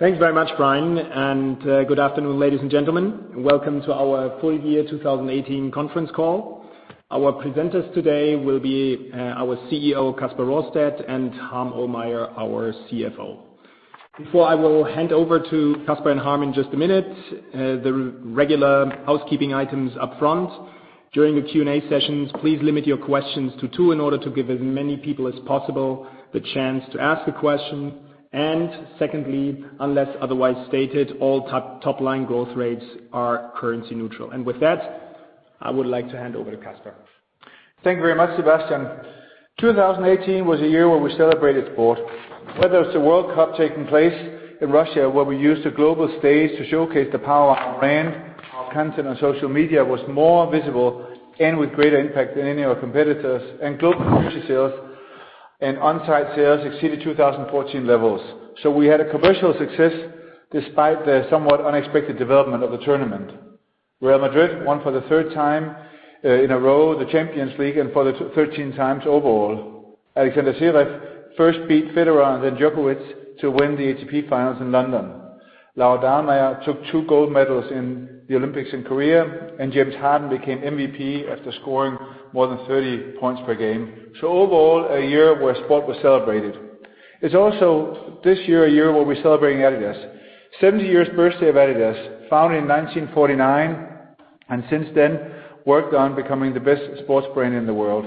Thanks very much, Brian. Good afternoon, ladies and gentlemen. Welcome to our full year 2018 conference call. Our presenters today will be our CEO, Kasper Rorsted, and Harm Ohlmeyer, our CFO. Before I will hand over to Kasper and Harm in just a minute, the regular housekeeping items up front. During the Q&A sessions, please limit your questions to two in order to give as many people as possible the chance to ask a question. Secondly, unless otherwise stated, all top-line growth rates are currency neutral. With that, I would like to hand over to Kasper. Thank you very much, Sebastian. 2018 was a year where we celebrated sport, whether it's the World Cup taking place in Russia, where we used the global stage to showcase the power of our brand. Our content on social media was more visible and with greater impact than any of our competitors. Global future sales and on-site sales exceeded 2014 levels. We had a commercial success despite the somewhat unexpected development of the tournament. Real Madrid won for the third time in a row, the Champions League, and for the 13th time overall. Alexander Zverev first beat Federer and then Djokovic to win the ATP Finals in London. Laura Dahlmeier took two gold medals in the Olympics in Korea, and James Harden became MVP after scoring more than 30 points per game. Overall, a year where sport was celebrated. It's also this year a year where we're celebrating adidas. 70 years birthday of adidas, founded in 1949, and since then, worked on becoming the best sports brand in the world.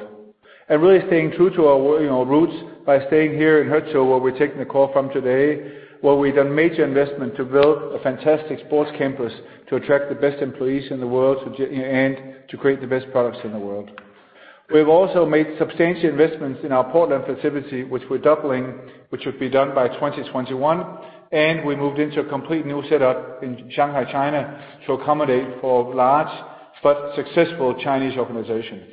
Really staying true to our roots by staying here in Herzog, where we're taking the call from today, where we've done major investment to build a fantastic sports campus to attract the best employees in the world and to create the best products in the world. We've also made substantial investments in our Portland facility, which we're doubling, which would be done by 2021. We moved into a complete new setup in Shanghai, China, to accommodate for large but successful Chinese organization.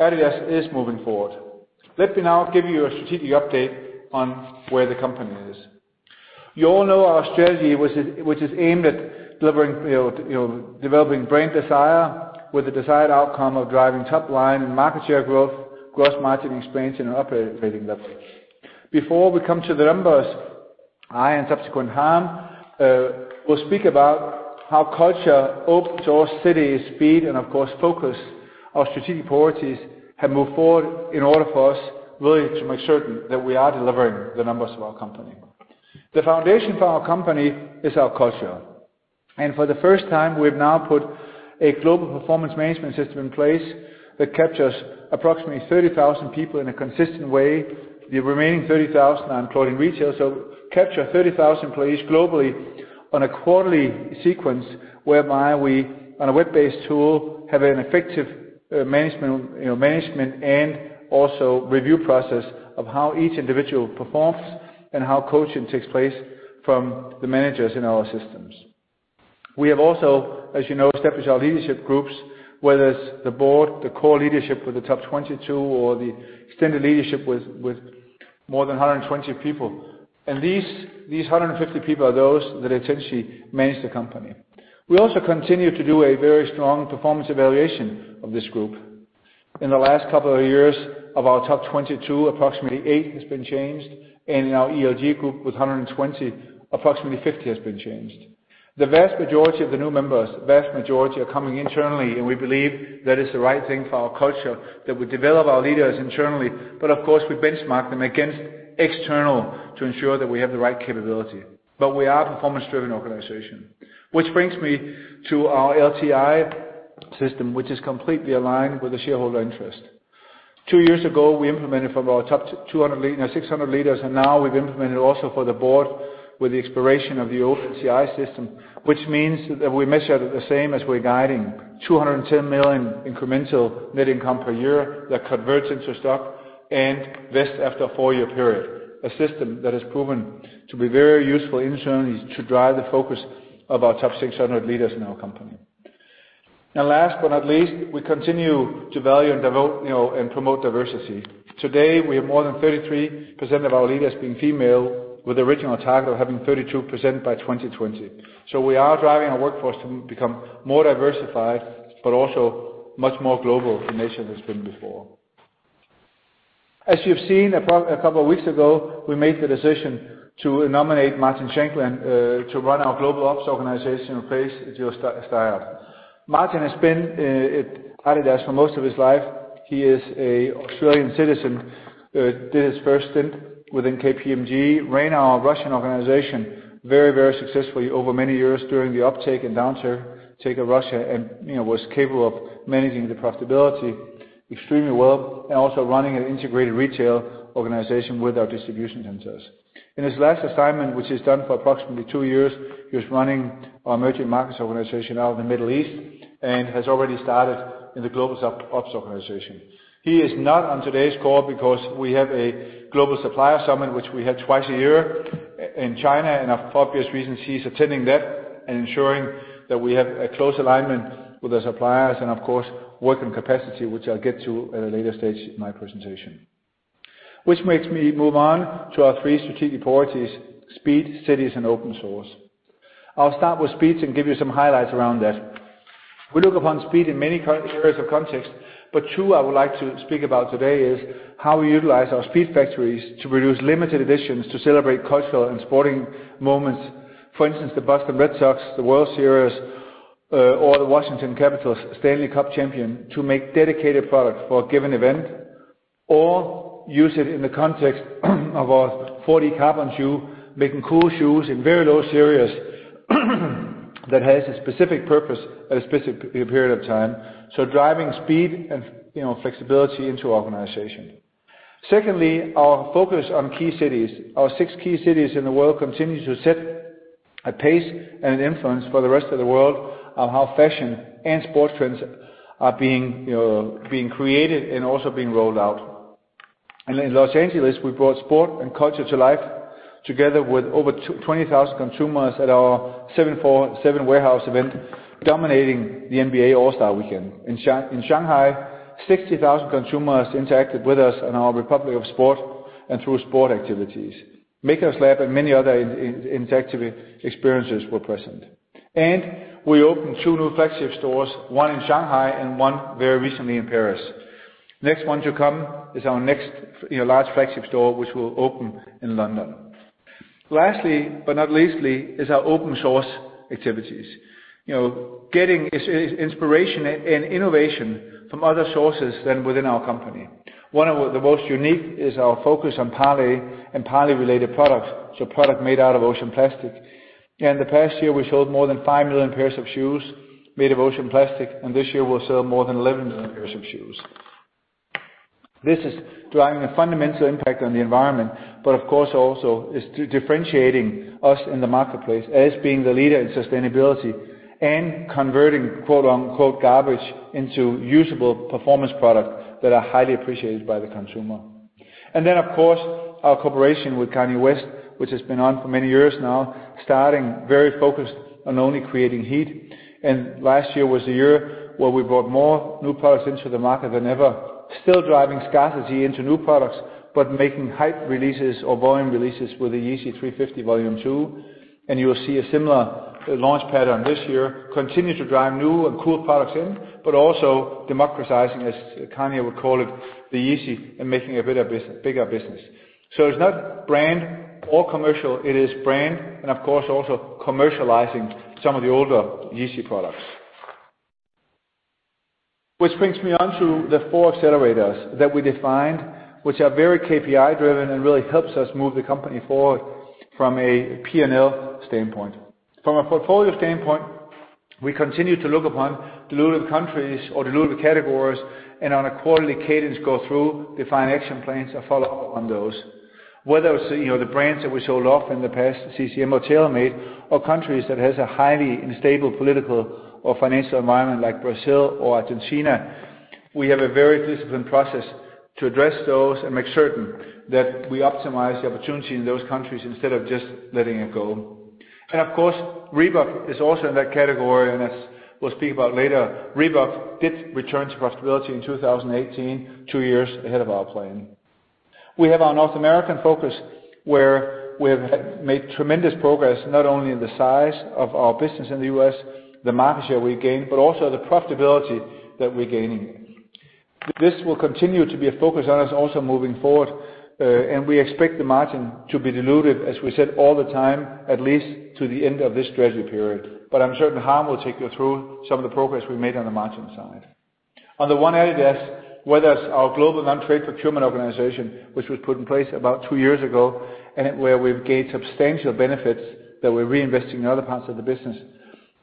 adidas is moving forward. Let me now give you a strategic update on where the company is. You all know our strategy, which is aimed at developing brand desire with the desired outcome of driving top line and market share growth, gross margin expansion, and operating leverage. Before we come to the numbers, I and subsequent Harm will speak about how culture, Open Source cities, speed, and of course, focus, our strategic priorities have moved forward in order for us really to make certain that we are delivering the numbers of our company. The foundation for our company is our culture. For the first time, we've now put a global performance management system in place that captures approximately 30,000 people in a consistent way, the remaining 30,000, I'm including retail. Capture 30,000 employees globally on a quarterly sequence whereby we, on a web-based tool, have an effective management and also review process of how each individual performs and how coaching takes place from the managers in our systems. We have also, as you know, established our leadership groups, whether it's the board, the core leadership with the top 22 or the extended leadership with more than 120 people. These 150 people are those that essentially manage the company. We also continue to do a very strong performance evaluation of this group. In the last couple of years, of our top 22, approximately eight has been changed, and in our ELG group with 120, approximately 50 has been changed. The vast majority of the new members are coming internally, and we believe that is the right thing for our culture, that we develop our leaders internally. Of course, we benchmark them against external to ensure that we have the right capability. We are a performance-driven organization. Which brings me to our LTI system, which is completely aligned with the shareholder interest. Two years ago, we implemented for our top 600 leaders, and now we've implemented also for the board with the expiration of the open CI system, which means that we measure the same as we're guiding 210 million incremental net income per year that converts into stock and vest after a four-year period. A system that has proven to be very useful internally to drive the focus of our top 600 leaders in our company. Last but not least, we continue to value and promote diversity. Today, we have more than 33% of our leaders being female, with the original target of having 32% by 2020. We are driving our workforce to become more diversified, also much more global in nature than it's been before. As you've seen, a couple of weeks ago, we made the decision to nominate Martin Shankland to run our global ops organization in place with Joe Ebers. Martin has been at adidas for most of his life. He is a Australian citizen. Did his first stint within KPMG, ran our Russian organization very, very successfully over many years during the uptake and downtake of Russia and was capable of managing the profitability extremely well and also running an integrated retail organization with our distribution centers. In his last assignment, which he's done for approximately two years, he was running our emerging markets organization out of the Middle East and has already started in the global ops organization. He is not on today's call because we have a global supplier summit, which we have twice a year in China. For obvious reasons, he's attending that and ensuring that we have a close alignment with the suppliers. Of course, working capacity, which I'll get to at a later stage in my presentation. Which makes me move on to our three strategic priorities, Speed, Cities, and Open Source. I will start with Speed and give you some highlights around that. We look upon Speed in many areas of context, but two I would like to speak about today is how we utilize our Speedfactory to produce limited editions to celebrate cultural and sporting moments. For instance, the Boston Red Sox, the World Series, or the Washington Capitals Stanley Cup champion, to make dedicated product for a given event, or use it in the context of our 4D Carbon shoe, making cool shoes in very low series that has a specific purpose at a specific period of time. Driving speed and flexibility into organization. Secondly, our focus on key cities. Our six key cities in the world continue to set a pace and an influence for the rest of the world on how fashion and sports trends are being created and also being rolled out. In L.A., we brought sport and culture to life together with over 20,000 consumers at our 747 warehouse event, dominating the NBA All-Star weekend. In Shanghai, 60,000 consumers interacted with us in our Republic of Sport and through sport activities. MakerLab and many other interactive experiences were present. We opened two new flagship stores, one in Shanghai and one very recently in Paris. Next one to come is our next large flagship store, which will open in London. Lastly, but not least, is our Open Source activities. Getting inspiration and innovation from other sources than within our company. One of the most unique is our focus on Parley and Parley related products, so product made out of ocean plastic. In the past year, we sold more than 5 million pairs of shoes made of ocean plastic, and this year we'll sell more than 11 million pairs of shoes. This is driving a fundamental impact on the environment, but of course also is differentiating us in the marketplace as being the leader in sustainability and converting "garbage" into usable performance product that are highly appreciated by the consumer. Of course, our cooperation with Kanye West, which has been on for many years now, starting very focused on only creating heat. Last year was the year where we brought more new products into the market than ever. Still driving scarcity into new products, but making hype releases or volume releases with the Yeezy 350 Volume 2. You will see a similar launch pattern this year. Continue to drive new and cool products in, but also democratizing, as Kanye would call it, the Yeezy, and making a bigger business. It's not brand or commercial, it is brand and of course also commercializing some of the older Yeezy products. Which brings me onto the four accelerators that we defined, which are very KPI driven and really helps us move the company forward from a P&L standpoint. From a portfolio standpoint, we continue to look upon diluted countries or diluted categories and on a quarterly cadence go through, define action plans, and follow up on those. Whether it's the brands that we sold off in the past, CCM or TaylorMade, or countries that has a highly unstable political or financial environment like Brazil or Argentina, we have a very disciplined process to address those and make certain that we optimize the opportunity in those countries instead of just letting it go. Of course, Reebok is also in that category, and as we'll speak about later, Reebok did return to profitability in 2018, two years ahead of our plan. We have our North American focus where we have made tremendous progress, not only in the size of our business in the U.S., the market share we gained, but also the profitability that we're gaining. This will continue to be a focus on us also moving forward. We expect the margin to be diluted, as we said all the time, at least to the end of this strategy period. I'm certain Harm will take you through some of the progress we've made on the margin side. On the one adidas, whether it's our global non-trade procurement organization, which was put in place about two years ago, and where we've gained substantial benefits that we're reinvesting in other parts of the business,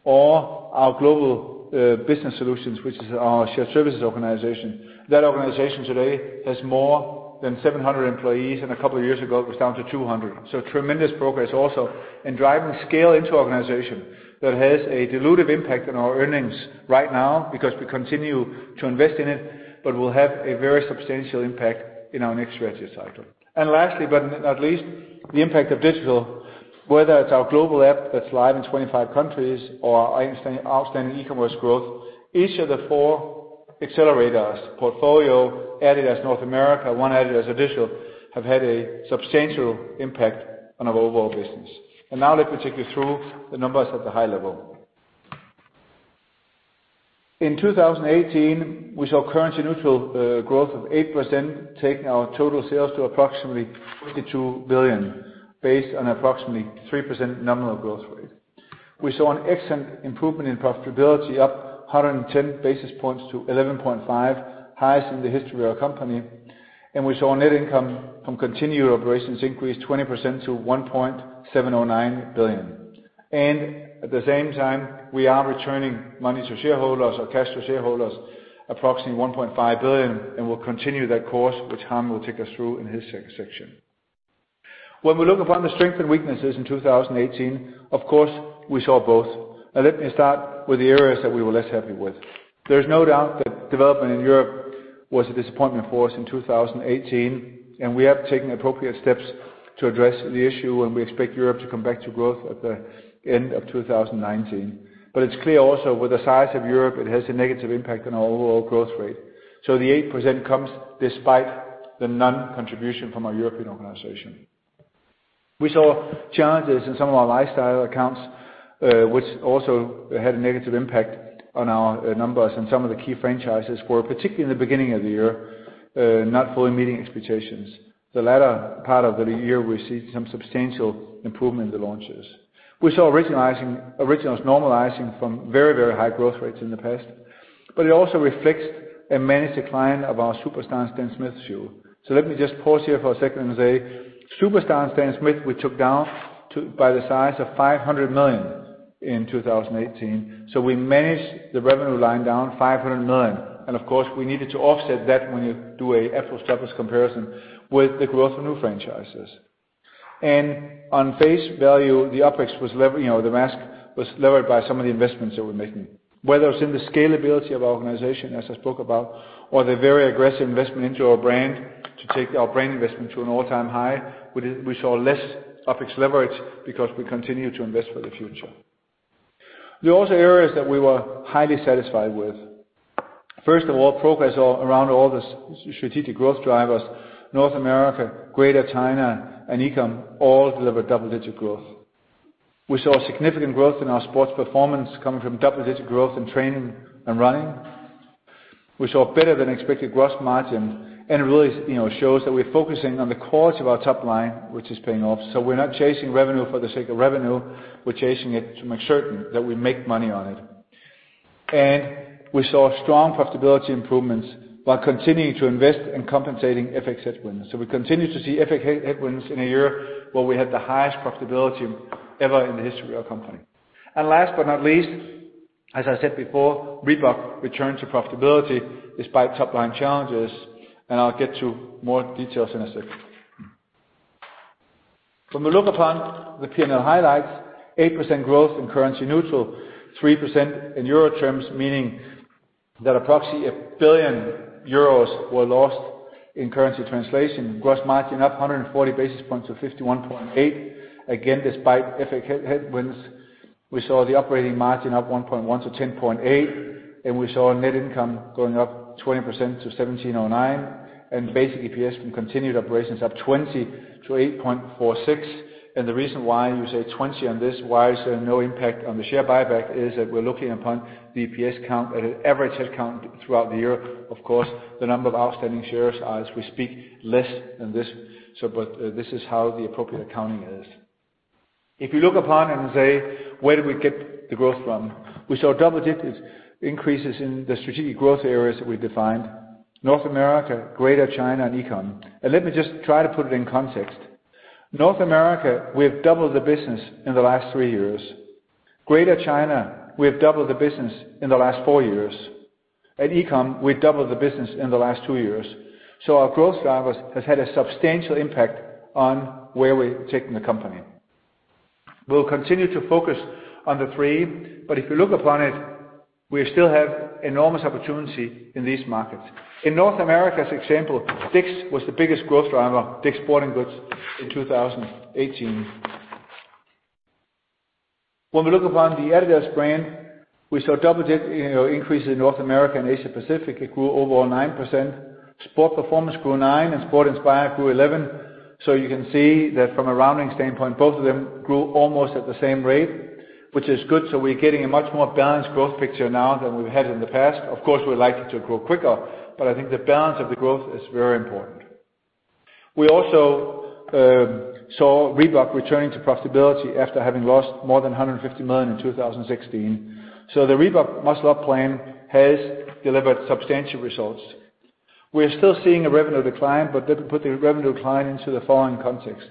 or our global business solutions, which is our shared services organization. That organization today has more than 700 employees, and a couple of years ago, it was down to 200. Tremendous progress also in driving scale into organization that has a dilutive impact on our earnings right now because we continue to invest in it, but will have a very substantial impact in our next strategy cycle. Lastly, but not least, the impact of digital. Whether it's our global app that's live in 25 countries or our outstanding e-commerce growth, each of the four accelerators, portfolio, adidas North America, and adidas Digital, have had a substantial impact on our overall business. Now let me take you through the numbers at the high level. In 2018, we saw currency neutral growth of 8%, taking our total sales to approximately 22 billion, based on approximately 3% nominal growth rate. We saw an excellent improvement in profitability, up 110 basis points to 11.5%, highest in the history of our company. We saw net income from continued operations increase 20% to 1.709 billion. At the same time, we are returning money to shareholders or cash to shareholders, approximately 1.5 billion. We'll continue that course which Harm will take us through in his section. When we look upon the strength and weaknesses in 2018, of course, we saw both. Let me start with the areas that we were less happy with. There's no doubt that development in Europe was a disappointment for us in 2018. We have taken appropriate steps to address the issue. We expect Europe to come back to growth at the end of 2019. It's clear also with the size of Europe, it has a negative impact on our overall growth rate. The 8% comes despite the non-contribution from our European organization. We saw challenges in some of our lifestyle accounts, which also had a negative impact on our numbers and some of the key franchises were, particularly in the beginning of the year, not fully meeting expectations. The latter part of the year, we see some substantial improvement in the launches. We saw Originals normalizing from very high growth rates in the past, but it also reflects a managed decline of our Superstar and Stan Smith shoe. Let me just pause here for a second and say, Superstar and Stan Smith, we took down by the size of 500 million in 2018. We managed the revenue line down 500 million. Of course, we needed to offset that when you do an apples-to-apples comparison with the growth of new franchises. On face value, the OpEx was levered, the margin was levered by some of the investments that we're making. Whether it's in the scalability of our organization, as I spoke about, or the very aggressive investment into our brand to take our brand investment to an all-time high. We saw less OpEx leverage because we continue to invest for the future. There are also areas that we were highly satisfied with. First of all, progress around all the strategic growth drivers, North America, Greater China, and e-com all delivered double-digit growth. We saw significant growth in our Sport Performance coming from double-digit growth in training and running. We saw better than expected gross margin, and it really shows that we're focusing on the quality of our top line, which is paying off. We're not chasing revenue for the sake of revenue. We're chasing it to make certain that we make money on it. We saw strong profitability improvements while continuing to invest in compensating FX headwinds. We continue to see FX headwinds in a year where we had the highest profitability ever in the history of our company. Last but not least, as I said before, Reebok returned to profitability despite top-line challenges, and I'll get to more details in a second. When we look upon the P&L highlights, 8% growth in currency neutral, 3% in EUR terms, meaning that approximately 1 billion euros were lost in currency translation. Gross margin up 140 basis points to 51.8%. Again, despite FX headwinds, we saw the operating margin up 1.1 percentage points to 10.8%, and we saw net income going up 20% to 1,709 million, and basic EPS from continued operations up 20% to 8.46. The reason why you say 20 on this, why is there no impact on the share buyback, is that we're looking upon the EPS count at an average head count throughout the year. Of course, the number of outstanding shares are, as we speak, less than this. This is how the appropriate accounting is. If you look upon and say, where do we get the growth from? We saw double-digit increases in the strategic growth areas that we defined, North America, Greater China, and e-com. Let me just try to put it in context. North America, we have doubled the business in the last three years. Greater China, we have doubled the business in the last four years. At e-com, we doubled the business in the last two years. Our growth drivers has had a substantial impact on where we're taking the company. We'll continue to focus on the three, but if you look upon it, we still have enormous opportunity in these markets. In North America's example, Dick's was the biggest growth driver, Dick's Sporting Goods in 2018. When we look upon the adidas brand, we saw double-digit increases in North America and Asia Pacific. It grew overall 9%. Sport Performance grew 9% and Sport Inspired grew 11%. You can see that from a rounding standpoint, both of them grew almost at the same rate, which is good. We're getting a much more balanced growth picture now than we've had in the past. Of course, we'd like it to grow quicker, but I think the balance of the growth is very important. We also saw Reebok returning to profitability after having lost more than 150 million in 2016. The Reebok Muscle Up plan has delivered substantial results. We're still seeing a revenue decline. Let me put the revenue decline into the following context.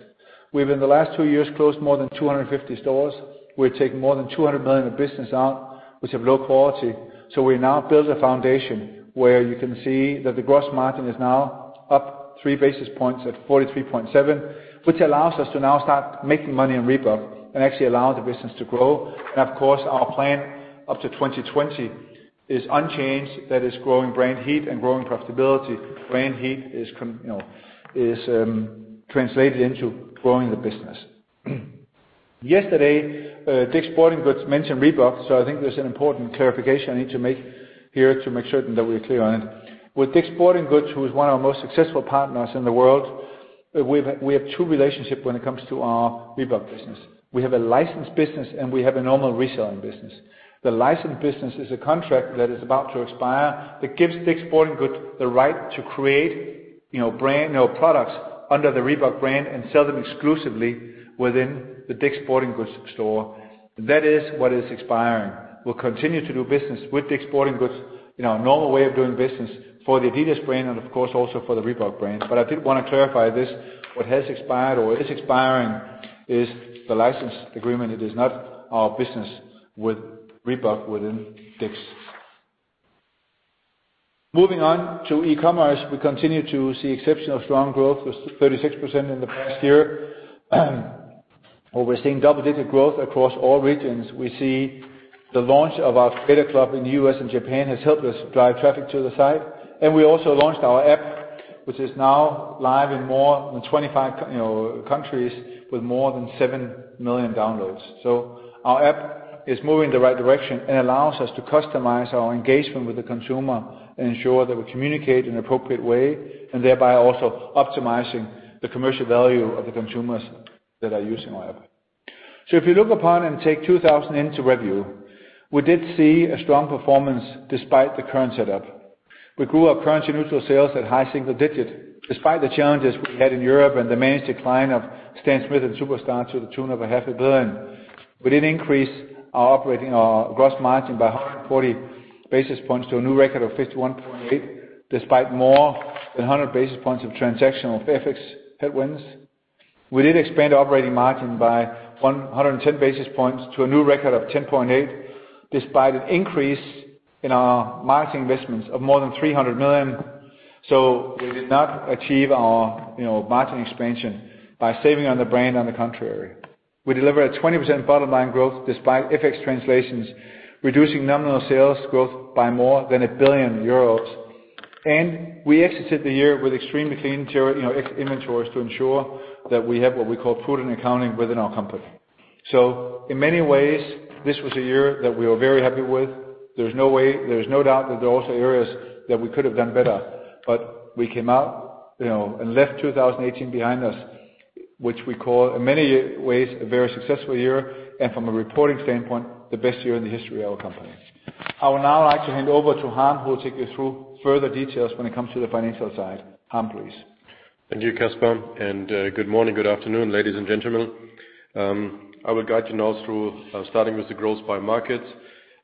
We've, in the last two years, closed more than 250 stores. We've taken more than 200 million of business out, which have low quality. We now build a foundation where you can see that the gross margin is now up 3 basis points at 43.7, which allows us to now start making money in Reebok and actually allow the business to grow. Of course, our plan up to 2020 is unchanged. That is growing brand heat and growing profitability. Brand heat is translated into growing the business. Yesterday, Dick's Sporting Goods mentioned Reebok. I think there's an important clarification I need to make here to make certain that we're clear on it. With Dick's Sporting Goods, who is one of our most successful partners in the world, we have two relationships when it comes to our Reebok business. We have a licensed business, and we have a normal reselling business. The licensed business is a contract that is about to expire that gives Dick's Sporting Goods the right to create products under the Reebok brand and sell them exclusively within the Dick's Sporting Goods store. That is what is expiring. We'll continue to do business with Dick's Sporting Goods in our normal way of doing business for the adidas brand and of course, also for the Reebok brand. I did want to clarify this. What has expired or is expiring is the license agreement. It is not our business with Reebok within Dick's. Moving on to e-commerce, we continue to see exceptional strong growth with 36% in the past year, where we're seeing double-digit growth across all regions. We see the launch of our Creators Club in the U.S. and Japan has helped us drive traffic to the site. We also launched our app, which is now live in more than 25 countries with more than seven million downloads. Our app is moving in the right direction and allows us to customize our engagement with the consumer and ensure that we communicate in an appropriate way, and thereby also optimizing the commercial value of the consumers that are using our app. If you look upon and take 2018 into review, we did see a strong performance despite the current setup. We grew our currency-neutral sales at high single digits despite the challenges we had in Europe and the managed decline of Stan Smith and Superstar to the tune of a EUR half a billion. We did increase our gross margin by 140 basis points to a new record of 51.8, despite more than 100 basis points of transactional FX headwinds. We did expand operating margin by 110 basis points to a new record of 10.8, despite an increase in our marketing investments of more than 300 million. We did not achieve our margin expansion by saving on the brand, on the contrary. We delivered a 20% bottom-line growth despite FX translations, reducing nominal sales growth by more than 1 billion euros. We exited the year with extremely clean inventories to ensure that we have what we call prudent accounting within our company. In many ways, this was a year that we were very happy with. There is no doubt that there are also areas that we could have done better, we came out and left 2018 behind us, which we call in many ways a very successful year, and from a reporting standpoint, the best year in the history of our company. I would now like to hand over to Harm, who will take you through further details when it comes to the financial side. Harm, please. Thank you, Kasper. Good morning, good afternoon, ladies and gentlemen. I will guide you now through starting with the growth by markets.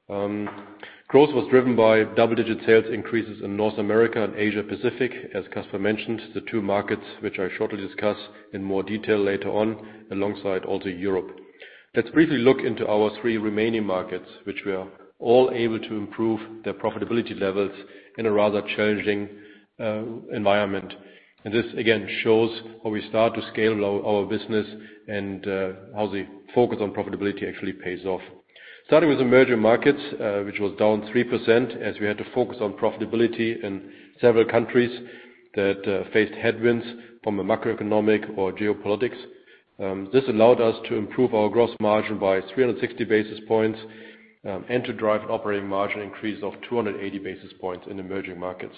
Growth was driven by double-digit sales increases in North America and Asia-Pacific, as Kasper mentioned, the two markets which I shortly discuss in more detail later on alongside also Europe. Let us briefly look into our three remaining markets, which were all able to improve their profitability levels in a rather challenging environment. This again shows where we start to scale our business and how the focus on profitability actually pays off. Starting with the emerging markets, which was down 3% as we had to focus on profitability in several countries that faced headwinds from a macroeconomic or geopolitics. This allowed us to improve our gross margin by 360 basis points and to drive operating margin increase of 280 basis points in emerging markets.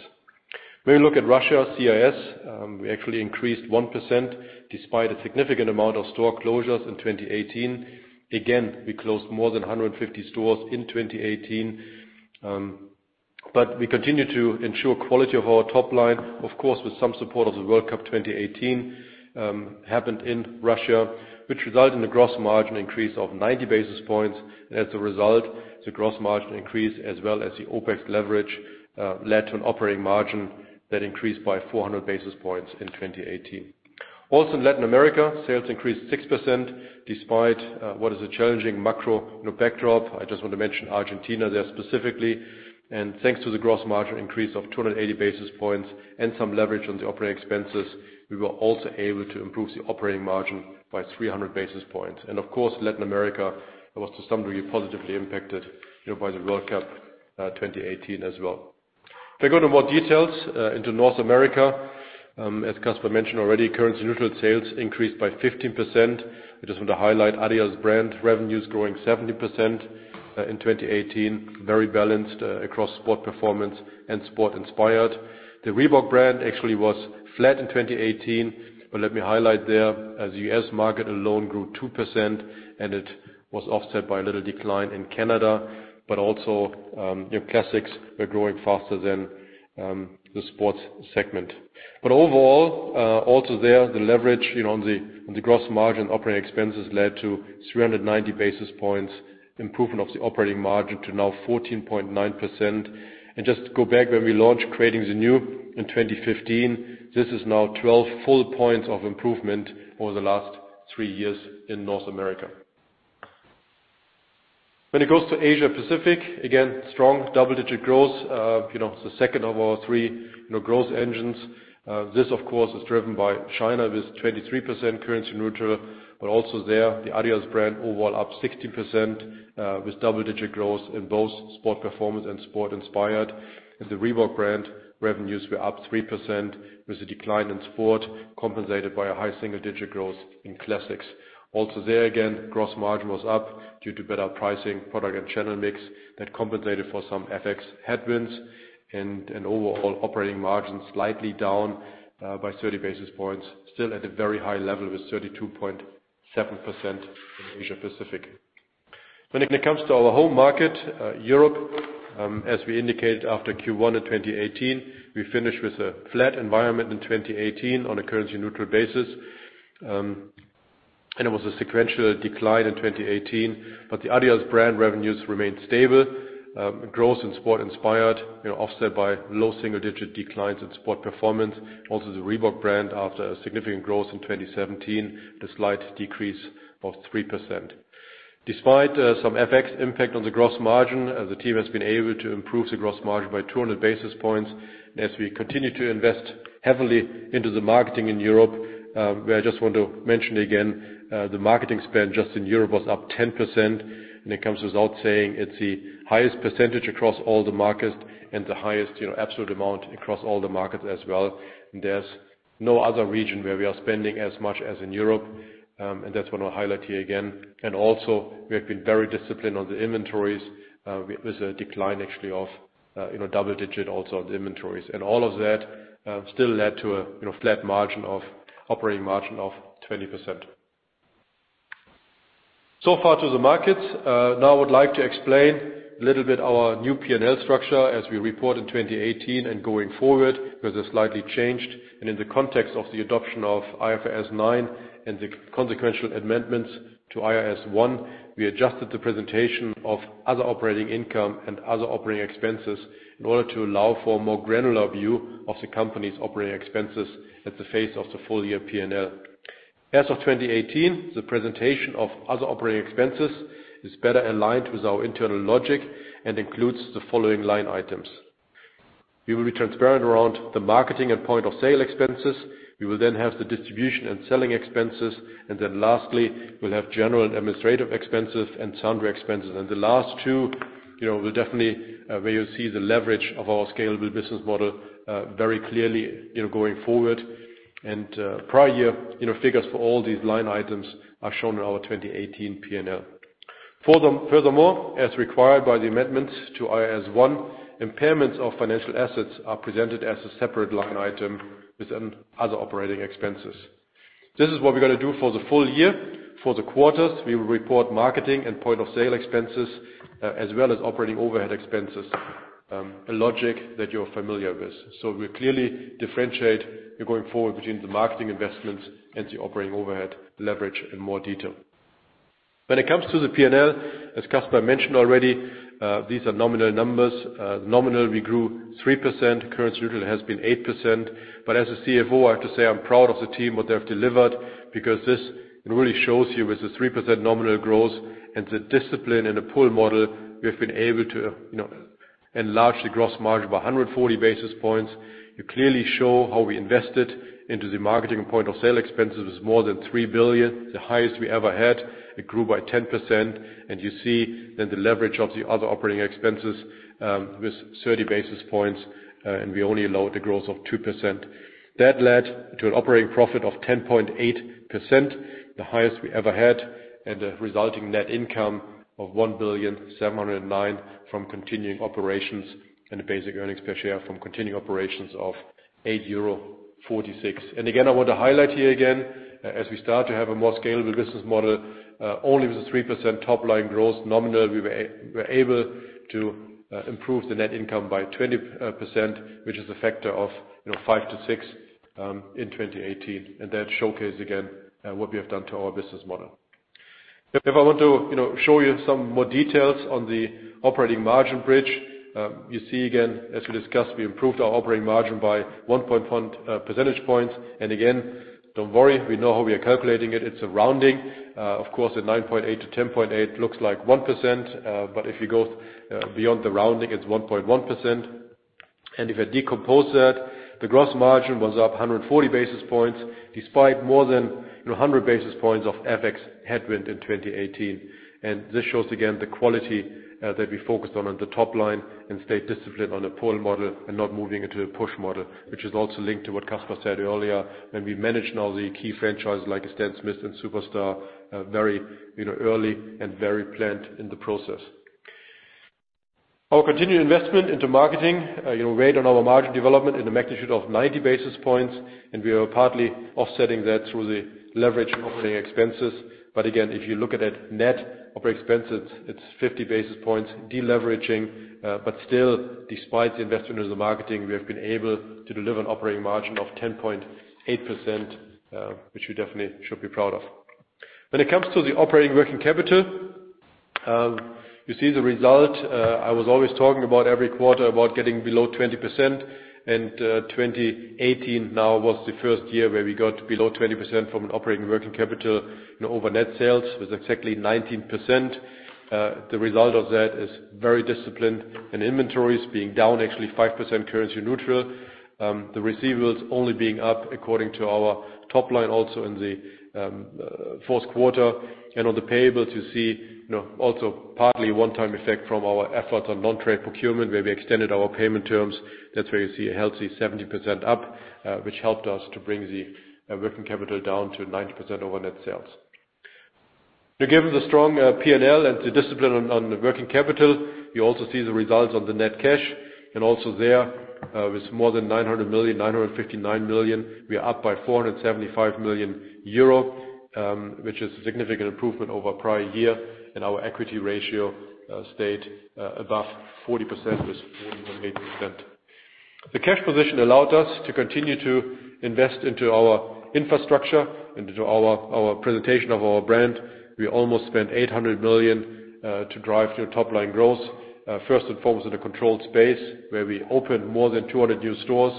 When we look at Russia, CIS, we actually increased 1% despite a significant amount of store closures in 2018. Again, we closed more than 150 stores in 2018. We continue to ensure quality of our top line, of course, with some support of the World Cup 2018 happened in Russia, which resulted in a gross margin increase of 90 basis points. As a result, the gross margin increase as well as the OpEx leverage led to an operating margin that increased by 400 basis points in 2018. Also in Latin America, sales increased 6% despite what is a challenging macro backdrop. I just want to mention Argentina there specifically. Thanks to the gross margin increase of 280 basis points and some leverage on the operating expenses, we were also able to improve the operating margin by 300 basis points. Of course, Latin America was to some degree positively impacted by the World Cup 2018 as well. If we go into more details into North America, as Kasper mentioned already, currency neutral sales increased by 15%. I just want to highlight adidas brand revenues growing 17% in 2018, very balanced across Sport Performance and Sport Inspired. The Reebok brand actually was flat in 2018, let me highlight there as the U.S. market alone grew 2% it was offset by a little decline in Canada, also classics were growing faster than the sports segment. Overall, also there, the leverage on the gross margin operating expenses led to 390 basis points improvement of the operating margin to now 14.9%. Just to go back when we launched Creating the New in 2015, this is now 12 full points of improvement over the last three years in North America. When it comes to Asia-Pacific, again, strong double-digit growth. It's the second of our three growth engines. This of course is driven by China with 23% currency neutral, but also there the adidas brand overall up 16% with double-digit growth in both Sport Performance and Sport Inspired. The Reebok brand revenues were up 3% with a decline in sport compensated by a high single-digit growth in Classics. There again, gross margin was up due to better pricing, product and channel mix that compensated for some FX headwinds and an overall operating margin slightly down by 30 basis points. Still at a very high level with 32.7% in Asia-Pacific. When it comes to our home market, Europe, as we indicated after Q1 in 2018, we finished with a flat environment in 2018 on a currency neutral basis. It was a sequential decline in 2018, but the adidas brand revenues remained stable. Growth in Sport Inspired, offset by low single-digit declines in Sport Performance. The Reebok brand after a significant growth in 2017, a slight decrease of 3%. Despite some FX impact on the gross margin, the team has been able to improve the gross margin by 200 basis points as we continue to invest heavily into the marketing in Europe. I just want to mention again the marketing spend just in Europe was up 10% and it comes without saying it's the highest percentage across all the markets and the highest absolute amount across all the markets as well. There's no other region where we are spending as much as in Europe, and that's what I'll highlight here again. Also we have been very disciplined on the inventories. There's a decline actually of double-digit also on the inventories. All of that still led to a flat margin of operating margin of 20%. So far to the markets. I would like to explain a little bit our new P&L structure as we report in 2018 and going forward, because it slightly changed. In the context of the adoption of IFRS 9 and the consequential amendments to IAS 1, we adjusted the presentation of other operating income and other operating expenses in order to allow for a more granular view of the company's operating expenses at the face of the full year P&L. As of 2018, the presentation of other operating expenses is better aligned with our internal logic and includes the following line items. We will be transparent around the marketing and point of sale expenses. We will then have the distribution and selling expenses. Lastly, we'll have general and administrative expenses and sundry expenses. The last two, we'll definitely where you'll see the leverage of our scalable business model very clearly, going forward. Prior year figures for all these line items are shown in our 2018 P&L. Furthermore, as required by the amendments to IAS 1, impairments of financial assets are presented as a separate line item with other operating expenses. This is what we're going to do for the full year. For the quarters, we will report marketing and point of sale expenses, as well as operating overhead expenses, a logic that you're familiar with. We clearly differentiate going forward between the marketing investments and the operating overhead leverage in more detail. When it comes to the P&L, as Kasper mentioned already, these are nominal numbers. Nominal, we grew 3%. Currency neutral has been 8%. As a CFO, I have to say I'm proud of the team, what they have delivered, because this really shows you with the 3% nominal growth and the discipline in the pull model, we have been able to enlarge the gross margin by 140 basis points. You clearly show how we invested into the marketing point of sale expenses was more than 3 billion, the highest we ever had. It grew by 10%. You see then the leverage of the other operating expenses with 30 basis points, and we only allowed a growth of 2%. That led to an operating profit of 10.8%, the highest we ever had, and a resulting net income of 1.709 billion from continuing operations and a basic earnings per share from continuing operations of 8.46 euro. Again, I want to highlight here again, as we start to have a more scalable business model, only with a 3% top-line growth nominal, we were able to improve the net income by 20%, which is a factor of five to six, in 2018. That showcase again, what we have done to our business model. If I want to show you some more details on the operating margin bridge. You see again, as we discussed, we improved our operating margin by 1.1 percentage points. Again, don't worry, we know how we are calculating it. It's a rounding. Of course, a 9.8 to 10.8 looks like 1%, but if you go beyond the rounding, it's 1.1%. If I decompose that, the gross margin was up 140 basis points despite more than 100 basis points of FX headwind in 2018. This shows again the quality that we focused on at the top line and stayed disciplined on the pull model and not moving into a push model, which is also linked to what Kasper said earlier when we managed now the key franchises like Stan Smith and Superstar very early and very planned in the process. Our continued investment into marketing weighed on our margin development in a magnitude of 90 basis points, we are partly offsetting that through the leverage operating expenses. Again, if you look at that net operating expenses, it's 50 basis points deleveraging. Still, despite the investment into the marketing, we have been able to deliver an operating margin of 10.8%, which we definitely should be proud of. When it comes to the operating working capital, you see the result. I was always talking about every quarter about getting below 20%. 2018 now was the first year where we got below 20% from an operating working capital over net sales. It was exactly 19%. The result of that is very disciplined and inventories being down actually 5% currency neutral. The receivables only being up according to our top line also in the fourth quarter. On the payables, you see also partly one-time effect from our efforts on non-trade procurement, where we extended our payment terms. That's where you see a healthy 70% up, which helped us to bring the working capital down to 19% over net sales. Given the strong P&L and the discipline on the working capital, you also see the results on the net cash. Also there, with more than 900 million, 959 million, we are up by 475 million euro, which is a significant improvement over prior year. Our equity ratio stayed above 40% with 48%. The cash position allowed us to continue to invest into our infrastructure, into our presentation of our brand. We almost spent 800 million to drive to a top-line growth. First and foremost, in a controlled space where we opened more than 200 new stores.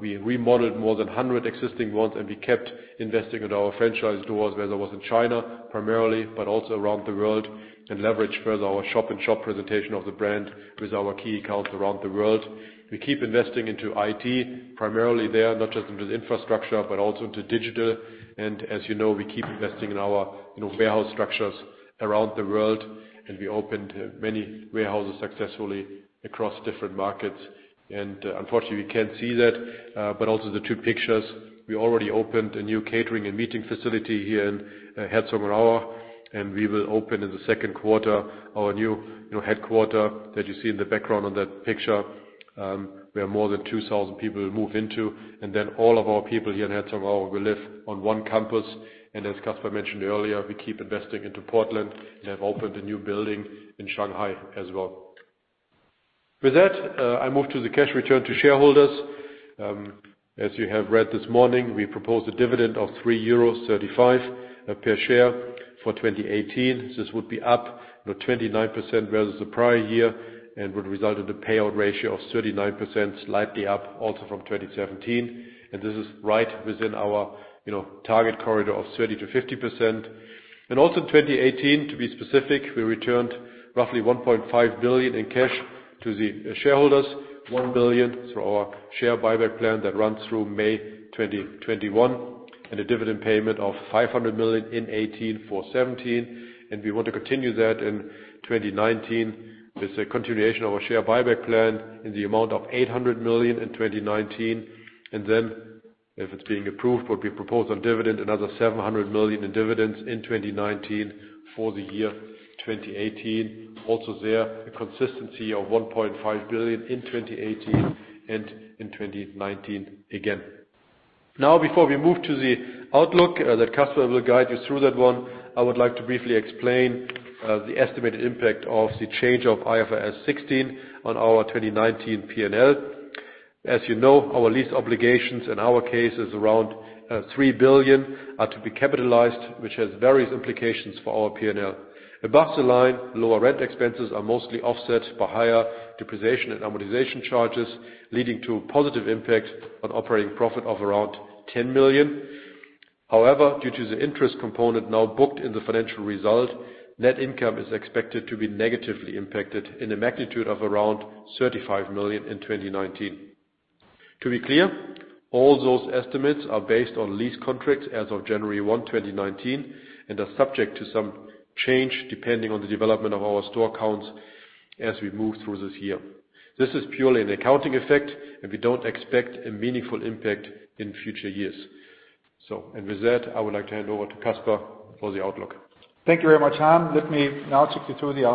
We remodeled more than 100 existing ones, and we kept investing in our franchise doors, whether it was in China primarily, but also around the world, and leverage further our shop-in-shop presentation of the brand with our key accounts around the world. We keep investing into IT, primarily there, not just into the infrastructure, but also into digital. As you know, we keep investing in our warehouse structures around the world, and we opened many warehouses successfully across different markets. Unfortunately, we can't see that. Also the two pictures, we already opened a new catering and meeting facility here in Herzogenaurach, and we will open in the second quarter our new headquarter that you see in the background on that picture. Where more than 2,000 people will move into, and then all of our people here in Herzogenaurach will live on one campus. As Kasper mentioned earlier, we keep investing into Portland and have opened a new building in Shanghai as well. With that, I move to the cash return to shareholders. As you have read this morning, we propose a dividend of 3.35 euros per share for 2018. This would be up 29% versus the prior year and would result in a payout ratio of 39%, slightly up also from 2017. This is right within our target corridor of 30%-50%. Also in 2018, to be specific, we returned roughly 1.5 billion in cash to the shareholders, 1 billion through our share buyback plan that runs through May 2021, and a dividend payment of 500 million in 2018 for 2017. We want to continue that in 2019 with the continuation of our share buyback plan in the amount of 800 million in 2019. Then, if it's being approved, we propose on dividend another 700 million in dividends in 2019 for the year 2018. Also there, a consistency of 1.5 billion in 2018 and in 2019 again. Before we move to the outlook that Kasper will guide you through that one, I would like to briefly explain the estimated impact of the change of IFRS 16 on our 2019 P&L. As you know, our lease obligations in our case is around 3 billion are to be capitalized, which has various implications for our P&L. Above the line, lower rent expenses are mostly offset by higher depreciation and amortization charges, leading to a positive impact on operating profit of around 10 million. However, due to the interest component now booked in the financial result, net income is expected to be negatively impacted in a magnitude of around 35 million in 2019. To be clear, all those estimates are based on lease contracts as of January 1, 2019, and are subject to some change depending on the development of our store counts as we move through this year. This is purely an accounting effect, and we don't expect a meaningful impact in future years. With that, I would like to hand over to Kasper for the outlook. Thank you very much, Harm. Let me now take you through the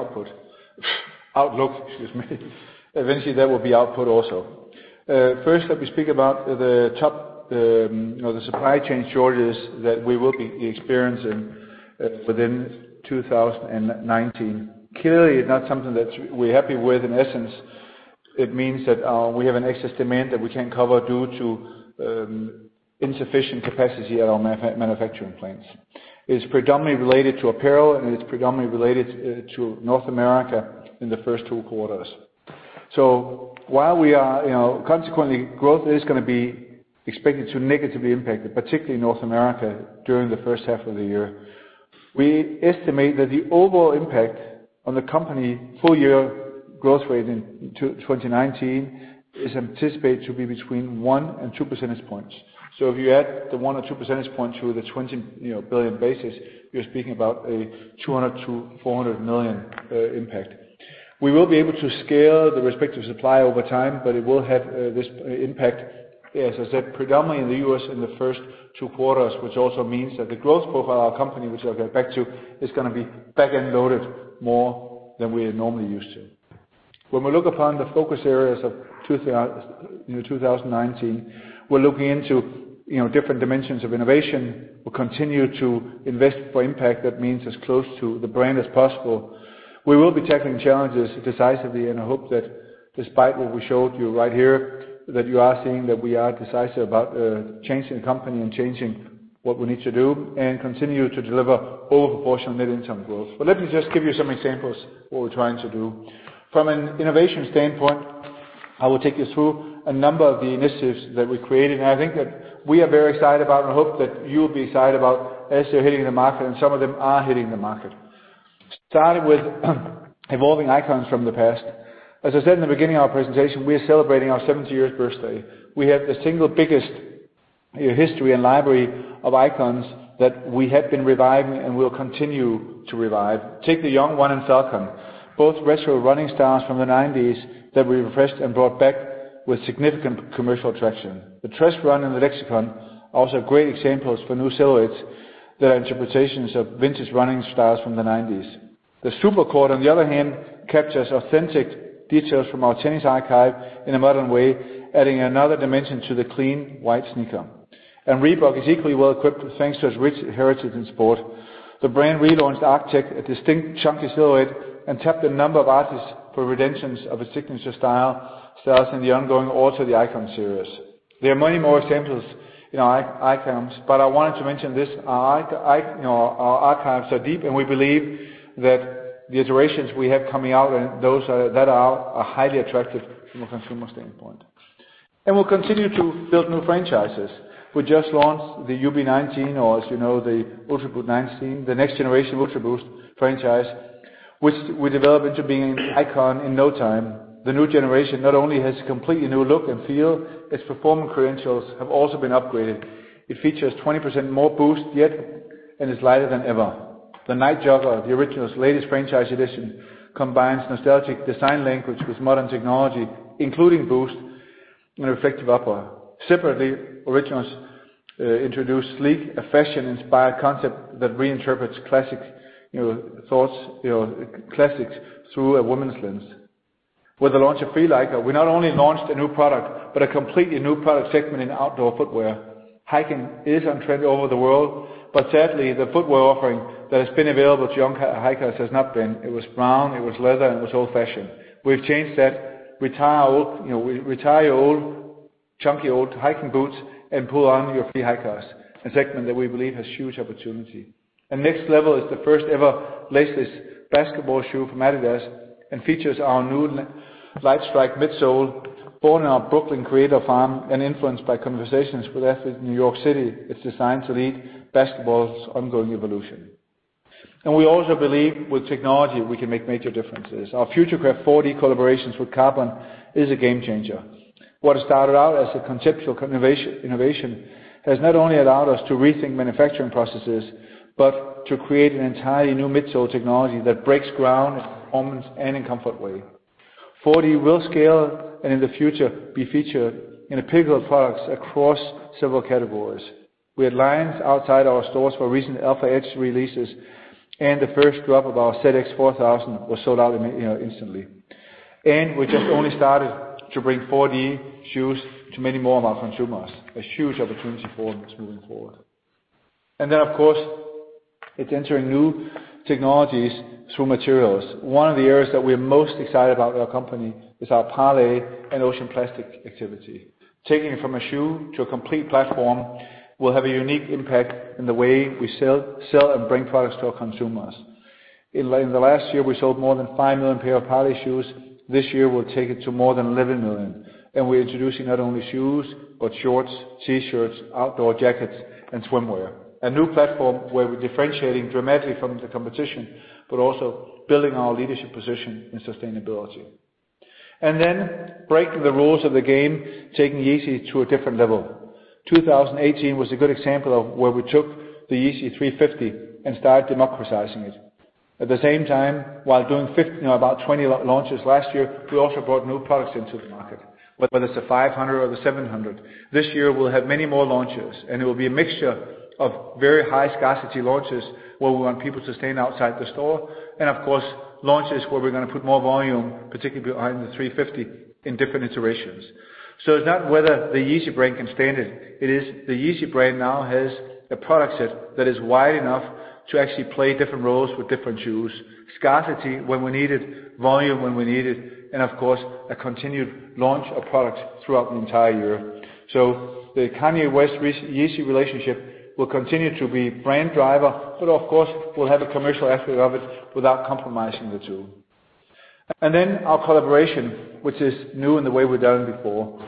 Outlook, excuse me. Eventually, that will be output also. First, let me speak about the supply chain shortages that we will be experiencing within 2019. Clearly, it's not something that we're happy with. In essence, it means that we have an excess demand that we can't cover due to insufficient capacity at our manufacturing plants. It's predominantly related to apparel, and it's predominantly related to North America in the first 2 quarters. Consequently, growth is going to be expected to negatively impact it, particularly North America during the first half of the year. We estimate that the overall impact on the company full-year growth rate in 2019 is anticipated to be between one and two percentage points. If you add the one or two percentage points to the 20 billion basis, you're speaking about a 200 million to 400 million impact. We will be able to scale the respective supply over time, but it will have this impact, as I said, predominantly in the U.S. in the first 2 quarters, which also means that the growth profile of our company, which I'll get back to, is going to be back-end loaded more than we're normally used to. When we look upon the focus areas of 2019, we're looking into different dimensions of innovation. We'll continue to invest for impact, that means as close to the brand as possible. We will be tackling challenges decisively, and I hope that despite what we showed you right here, that you are seeing that we are decisive about changing the company and changing what we need to do and continue to deliver whole proportion net income growth. Let me just give you some examples what we're trying to do. From an innovation standpoint, I will take you through a number of the initiatives that we created, and I think that we are very excited about and hope that you'll be excited about as they're hitting the market, and some of them are hitting the market. Starting with evolving icons from the past. As I said in the beginning of our presentation, we are celebrating our 70-year birthday. We have the single biggest history and library of icons that we have been reviving and will continue to revive. Take the Yung-1 and Falcon, both retro running styles from the '90s that we refreshed and brought back with significant commercial traction. The TRESC Run and the LXCON also great examples for new silhouettes that are interpretations of vintage running styles from the '90s. The Supercourt, on the other hand, captures authentic details from our tennis archive in a modern way, adding another dimension to the clean white sneaker. Reebok is equally well equipped thanks to its rich heritage in sport. The brand relaunched Aztrek, a distinct chunky silhouette, and tapped a number of artists for renditions of its signature style sales in the ongoing Alter the Icon series. There are many more examples in our icons, but I wanted to mention this. Our archives are deep, and we believe that the iterations we have coming out and those that are out are highly attractive from a consumer standpoint. We'll continue to build new franchises. We just launched the UB19, or as you know, the Ultraboost 19, the next generation Ultraboost franchise, which we developed into being an icon in no time. The new generation not only has a completely new look and feel, its performance credentials have also been upgraded. It features 20% more Boost yet and is lighter than ever. The Nite Jogger, the Originals' latest franchise edition, combines nostalgic design language with modern technology, including Boost in Reflective Upper. Separately, Originals introduced Sleek, a fashion-inspired concept that reinterprets classics through a woman's lens. With the launch of Free Hiker, we not only launched a new product, but a completely new product segment in outdoor footwear. Hiking is on trend over the world, but sadly, the footwear offering that has been available to young hikers has not been. It was brown, it was leather, and it was old-fashioned. We've changed that. Retire your chunky old hiking boots and put on your Free Hikers, a segment that we believe has huge opportunity. N3XT L3V3L is the first-ever laceless basketball shoe from adidas and features our new Lightstrike midsole, born in our Brooklyn creator farm and influenced by conversations with athletes in New York City. It's designed to lead basketball's ongoing evolution. We also believe with technology, we can make major differences. Our Futurecraft 4D collaborations with Carbon is a game changer. What started out as a conceptual innovation has not only allowed us to rethink manufacturing processes, but to create an entirely new midsole technology that breaks ground in performance and in comfort way. 4D will scale and in the future be featured in pivotal products across several categories. We had lines outside our stores for recent AlphaEdge releases, and the first drop of our ZX 4000 was sold out instantly. We just only started to bring 4D shoes to many more of our consumers, a huge opportunity for us moving forward. Then, of course, it's entering new technologies through materials. One of the areas that we're most excited about in our company is our Parley and ocean plastic activity. Taking it from a shoe to a complete platform will have a unique impact in the way we sell and bring products to our consumers. In the last year, we sold more than five million pair of Parley shoes. This year, we'll take it to more than 11 million, and we're introducing not only shoes, but shorts, T-shirts, outdoor jackets, and swimwear. A new platform where we're differentiating dramatically from the competition, but also building our leadership position in sustainability. Breaking the rules of the game, taking Yeezy to a different level. 2018 was a good example of where we took the Yeezy 350 and started democratizing it. At the same time, while doing about 20 launches last year, we also brought new products into the market, whether it's the 500 or the 700. This year, we'll have many more launches, and it will be a mixture of very high scarcity launches where we want people to stand outside the store, and of course, launches where we're going to put more volume, particularly behind the 350 in different iterations. It's not whether the Yeezy brand can stand it. It is the Yeezy brand now has a product set that is wide enough to actually play different roles with different shoes, scarcity when we need it, volume when we need it, and of course, a continued launch of product throughout the entire year. The Kanye West Yeezy relationship will continue to be brand driver, but of course, we'll have a commercial aspect of it without compromising the two. Our collaboration, which is new in the way we've done it before.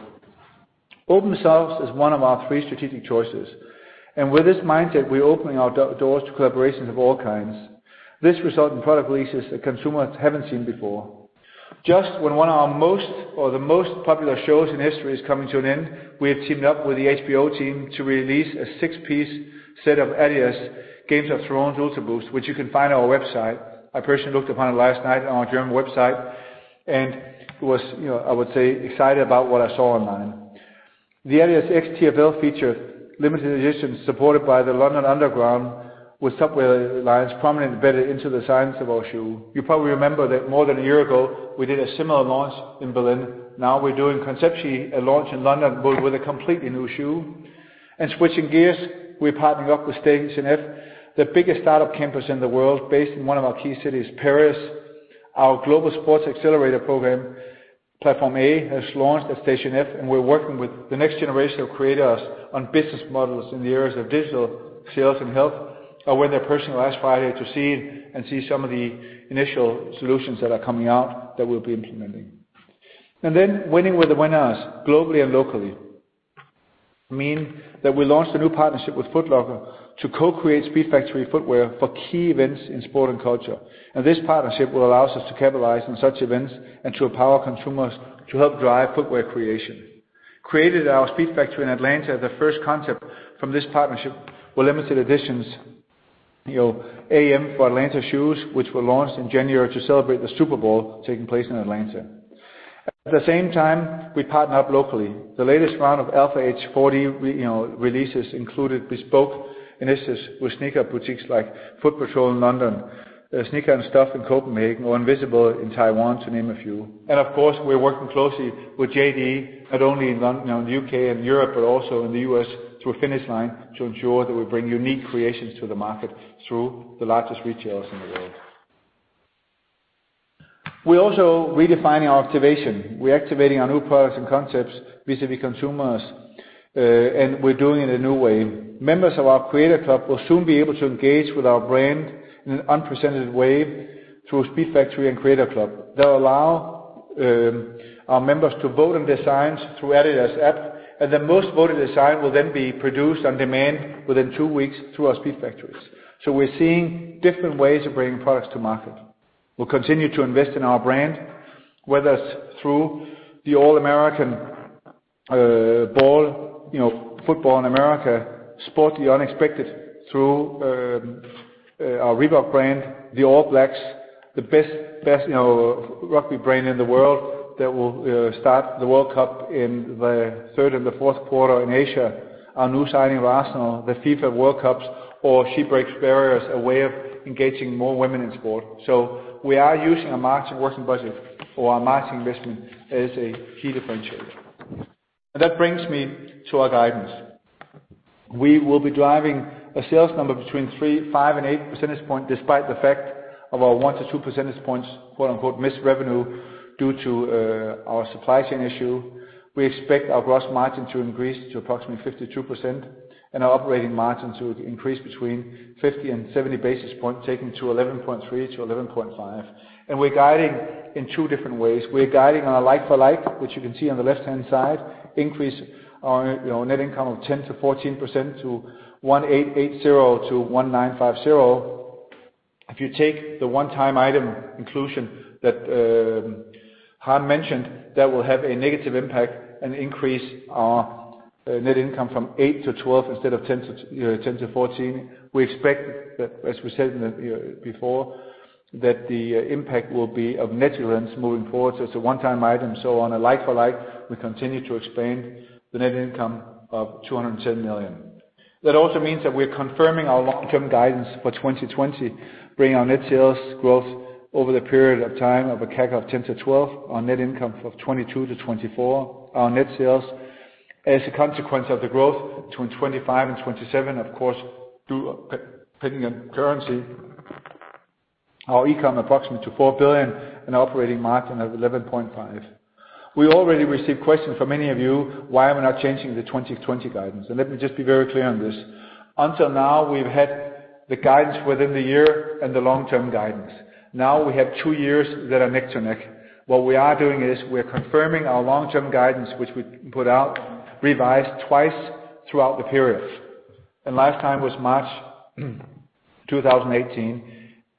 Open Source is one of our three strategic choices, and with this mindset, we're opening our doors to collaborations of all kinds. This result in product releases that consumers haven't seen before. Just when one of our most or the most popular shows in history is coming to an end, we have teamed up with the HBO team to release a six-piece set of adidas Game of Thrones Ultraboosts, which you can find on our website. I personally looked upon it last night on our German website, and I was excited about what I saw online. The adidas x TfL feature limited edition supported by the London Underground with subway lines prominent embedded into the sides of our shoe. You probably remember that more than a year ago, we did a similar launch in Berlin. We're doing conceptually a launch in London but with a completely new shoe. Switching gears, we're partnering up with STATION F, the biggest startup campus in the world, based in one of our key cities, Paris. Our global sports accelerator program, Platform A, has launched at STATION F, we're working with the next generation of creators on business models in the areas of digital, sales, and health. I went there personally last Friday to see some of the initial solutions that are coming out that we'll be implementing. Winning where the win is, globally and locally, mean that we launched a new partnership with Foot Locker to co-create Speedfactory footwear for key events in sport and culture. This partnership will allow us to capitalize on such events and to empower consumers to help drive footwear creation. Created at our Speedfactory in Atlanta, the first concept from this partnership were limited editions, AM4ATL shoes, which were launched in January to celebrate the Super Bowl taking place in Atlanta. At the same time, we partner up locally. The latest round of AlphaEdge 4D releases included bespoke initiatives with sneaker boutiques like Footpatrol in London, Sneakersnstuff in Copenhagen, or INVINCIBLE in Taiwan, to name a few. Of course, we're working closely with JD, not only in the U.K. and Europe, but also in the U.S. through Finish Line to ensure that we bring unique creations to the market through the largest retailers in the world. We're also redefining our activation. We're activating our new products and concepts vis-a-vis consumers, and we're doing it in a new way. Members of our Creators Club will soon be able to engage with our brand in an unprecedented way through Speedfactory and Creators Club. That will allow our members to vote on designs through adidas app, and the most voted design will then be produced on demand within two weeks through our SpeedFactories. We're seeing different ways of bringing products to market. We'll continue to invest in our brand, whether it's through the All-American Bowl, you know, football in America, sport the unexpected through our Reebok brand, the All Blacks, the best rugby brand in the world that will start the World Cup in the third and the fourth quarter in Asia, our new signing of Arsenal, the FIFA World Cups, or She Breaks Barriers, a way of engaging more women in sport. We are using a marketing working budget for our marketing investment as a key differentiator. That brings me to our guidance. We will be driving a sales number between 3%, 5%, and 8 percentage points, despite the fact of our 1 to 2 percentage points, quote unquote, "missed revenue" due to our supply chain issue. We expect our gross margin to increase to approximately 52%, and our operating margin to increase between 50 and 70 basis points, taking to 11.3% to 11.5%. We're guiding in two different ways. We're guiding on a like for like, which you can see on the left-hand side, increase our net income of 10% to 14% to 1,880 million to 1,950 million. If you take the one-time item inclusion that Harm mentioned, that will have a negative impact and increase our net income from 8% to 12% instead of 10% to 14%. We expect that, as we said before, that the impact will be of net events moving forward, so it's a one-time item. On a like for like, we continue to explain the net income of 210 million. That also means that we're confirming our long-term guidance for 2020, bringing our net sales growth over the period of time of a CAGR of 10% to 12% on net income of 22% to 24%. Net sales, as a consequence of the growth between 25% and 27%, of course, depending on currency, our e-com approximately to 4 billion and operating margin of 11.5%. We already received questions from many of you, why am I not changing the 2020 guidance? Let me just be very clear on this. Until now, we've had the guidance within the year and the long-term guidance. Now we have two years that are neck to neck. What we are doing is we're confirming our long-term guidance, which we put out, revised twice throughout the period. Last time was March 2018.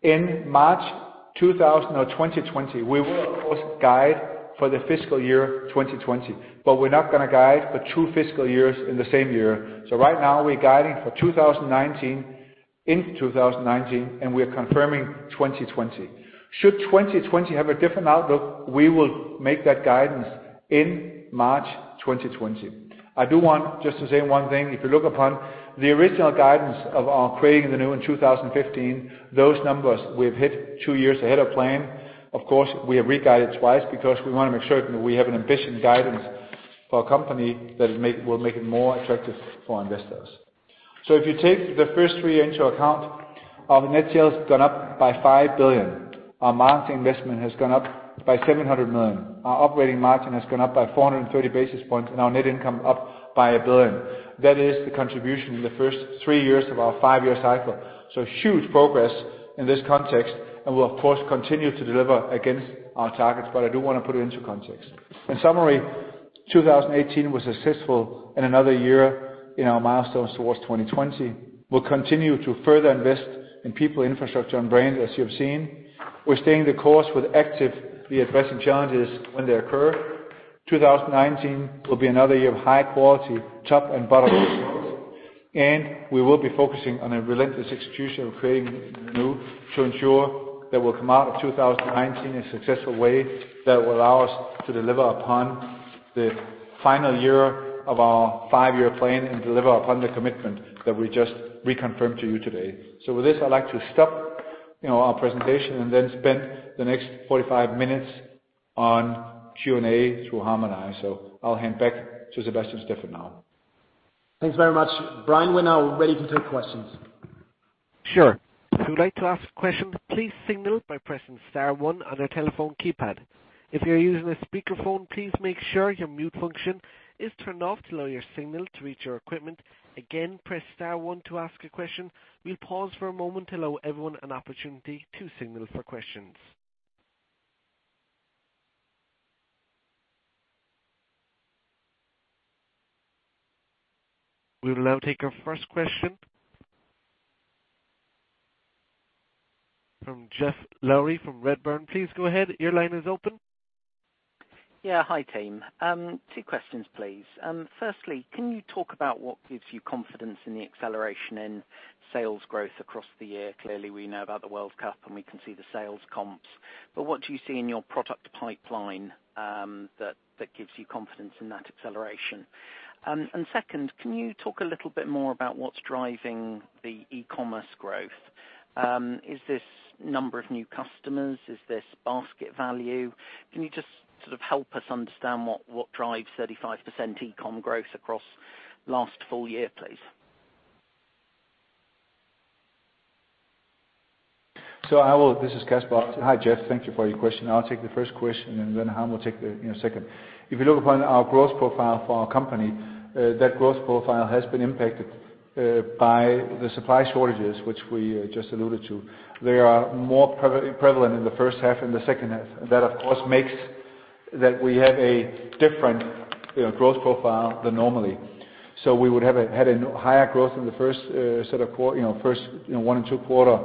In March 2020, we will of course guide for the fiscal year 2020, we're not going to guide for two fiscal years in the same year. Right now we're guiding for 2019, into 2019, and we're confirming 2020. Should 2020 have a different outlook, we will make that guidance in March 2020. I do want just to say one thing, if you look upon the original guidance of our Creating the New in 2015, those numbers we've hit two years ahead of plan. Of course, we have re-guided twice because we want to make sure that we have an ambition guidance for a company that will make it more attractive for investors. If you take the first three into account, our net sales gone up by 5 billion. Our marketing investment has gone up by 700 million. Our operating margin has gone up by 430 basis points and our net income up by 1 billion. That is the contribution in the first three years of our five-year cycle. Huge progress in this context, we'll of course continue to deliver against our targets, I do want to put it into context. In summary, 2018 was successful and another year in our milestones towards 2020. We'll continue to further invest in people, infrastructure, and brand, as you have seen. We're staying the course with actively addressing challenges when they occur. 2019 will be another year of high quality top and bottom line growth, we will be focusing on a relentless execution of Creating the New to ensure that we'll come out of 2019 in a successful way that will allow us to deliver upon the final year of our five-year plan and deliver upon the commitment that we just reconfirmed to you today. With this, I'd like to stop our presentation spend the next 45 minutes on Q&A through Harm and I. I'll hand back to Sebastian Steffen now. Thanks very much. Brian, we're now ready to take questions. Sure. If you'd like to ask a question, please signal by pressing star one on your telephone keypad. If you're using a speakerphone, please make sure your mute function is turned off to allow your signal to reach our equipment. Again, press star one to ask a question. We'll pause for a moment to allow everyone an opportunity to signal for questions. We will now take our first question from Geoff Lowery from Redburn. Please go ahead. Your line is open. Yeah. Hi, team. Two questions, please. Firstly, can you talk about what gives you confidence in the acceleration in sales growth across the year? Clearly, we know about the World Cup, and we can see the sales comps, what do you see in your product pipeline that gives you confidence in that acceleration? Second, can you talk a little bit more about what's driving the e-commerce growth? Is this number of new customers? Is this basket value? Can you just sort of help us understand what drives 35% e-com growth across last full year, please? I will. This is Kasper. Hi, Geoff, thank you for your question. I'll take the first question and then Harm will take the second. If you look upon our growth profile for our company, that growth profile has been impacted by the supply shortages, which we just alluded to. They are more prevalent in the first half than the second half. That, of course, makes that we have a different growth profile than normally. We would have had a higher growth in the first one and two quarter,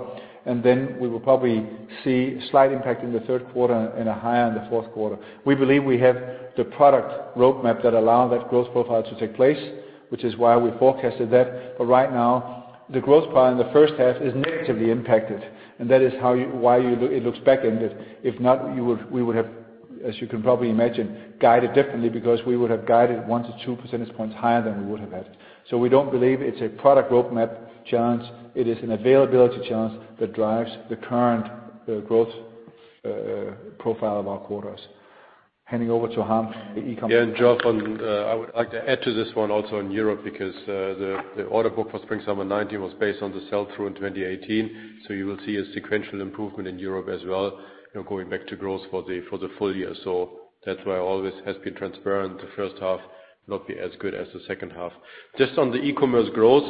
and then we will probably see a slight impact in the third quarter and a higher in the fourth quarter. We believe we have the product roadmap that allow that growth profile to take place, which is why we forecasted that. Right now, the growth part in the first half is negatively impacted, and that is why it looks backended. If not, we would have, as you can probably imagine, guided differently because we would have guided one to two percentage points higher than we would have had. We don't believe it's a product roadmap challenge. It is an availability challenge that drives the current growth profile of our quarters. Handing over to Harm, the e-commerce. Yeah. Jochen, I would like to add to this one also in Europe, because the order book for spring/summer 2019 was based on the sell-through in 2018. You will see a sequential improvement in Europe as well, going back to growth for the full year. That's why I always have been transparent. The first half will not be as good as the second half. Just on the e-commerce growth,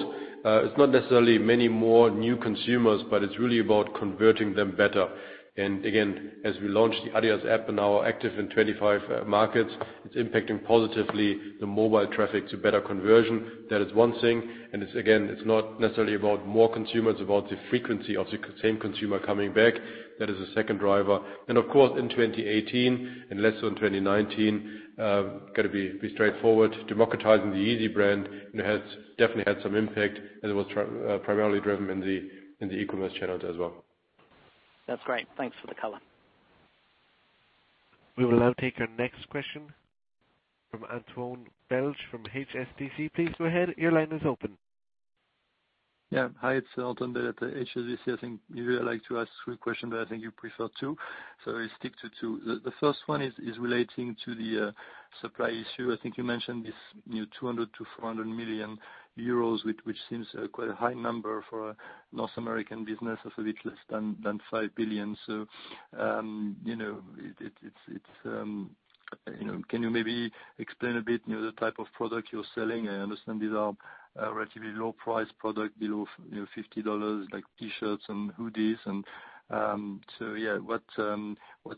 it's not necessarily many more new consumers, but it's really about converting them better. Again, as we launch the adidas app and now active in 25 markets, it's impacting positively the mobile traffic to better conversion. That is one thing, and again, it's not necessarily about more consumers, about the frequency of the same consumer coming back. That is the second driver. Of course, in 2018 and less so in 2019, got to be straightforward. Democratizing the Yeezy brand, it has definitely had some impact and it was primarily driven in the e-commerce channels as well. That's great. Thanks for the color. We will now take our next question from Antoine Belge from HSBC. Please go ahead. Your line is open. Hi, it's Antoine Belge at HSBC. I think usually I like to ask three questions, but I think you prefer two, so I stick to two. The first one is relating to the supply issue. I think you mentioned this new 200 million-400 million euros, which seems quite a high number for a North American business of a bit less than 5 billion. Can you maybe explain a bit the type of products you're selling? I understand these are relatively low-price products below EUR 50, like T-shirts and hoodies. What's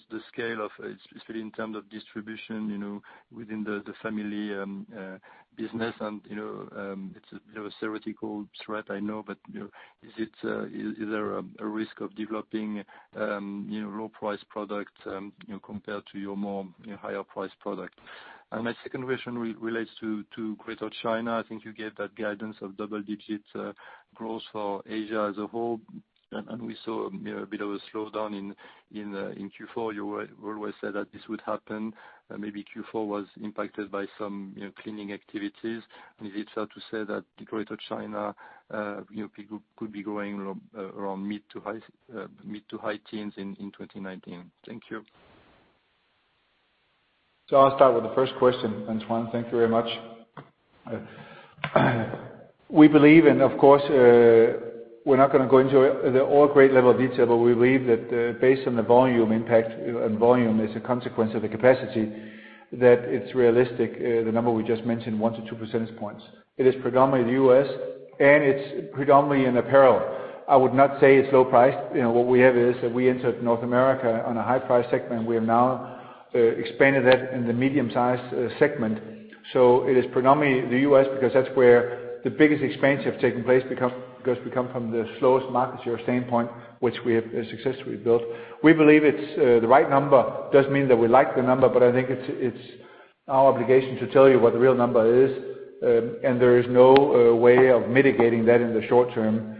the scale of, especially in terms of distribution within the adidas business and it's a theoretical threat, I know, but is there a risk of developing low-price products compared to your higher-price products? My second question relates to Greater China. I think you gave that guidance of double-digit growth for Asia as a whole, we saw a bit of a slowdown in Q4. You always said that this would happen. Maybe Q4 was impacted by some cleaning activities. Is it fair to say that Greater China could be going around mid to high teens in 2019? Thank you. I'll start with the first question, Antoine. Thank you very much. We believe, of course, we're not going to go into all great level of detail, we believe that based on the volume impact and volume as a consequence of the capacity, that it's realistic, the number we just mentioned, one to two percentage points. It is predominantly U.S. it's predominantly in apparel. I would not say it's low-priced. What we have is that we entered North America on a high-price segment. We have now expanded that in the medium-sized segment. It is predominantly the U.S. because that's where the biggest expansion has taken place because we come from the slowest market share standpoint, which we have successfully built. We believe it's the right number. Doesn't mean that we like the number, I think it's our obligation to tell you what the real number is. There is no way of mitigating that in the short term.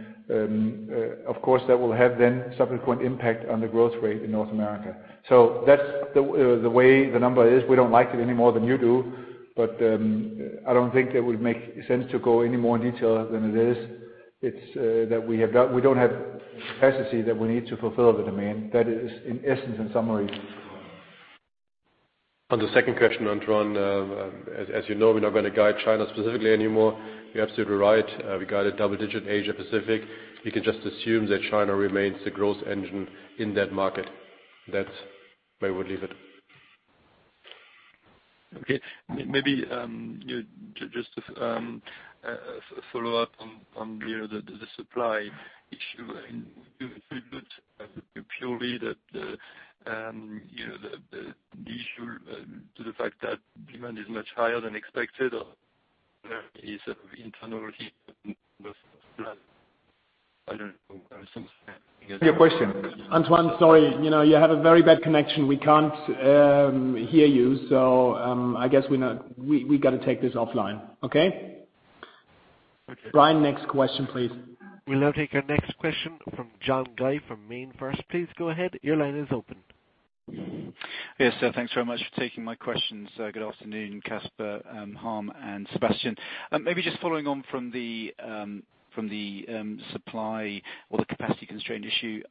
Of course, that will have then subsequent impact on the growth rate in North America. That's the way the number is. We don't like it any more than you do. I don't think that would make sense to go any more in detail than it is. It's that we don't have capacity that we need to fulfill the demand. That is in essence, in summary. On the second question, Antoine, as you know, we're not going to guide China specifically anymore. You're absolutely right. We guided double digit Asia Pacific. You can just assume that China remains the growth engine in that market. That's where we'll leave it. Okay. Maybe, just to follow up on the supply issue would you agree that the issue to the fact that demand is much higher than expected or there is internal hit I don't know. Your question. Antoine, sorry. You have a very bad connection. We can't hear you, so, I guess we got to take this offline. Okay? Okay. Brian, next question, please. We'll now take our next question from John Guy from MainFirst. Please go ahead. Your line is open. Yes. Thanks very much for taking my questions. Good afternoon, Kasper, Harm, and Sebastian. Maybe just following on from the supply or the capacity constraint issue.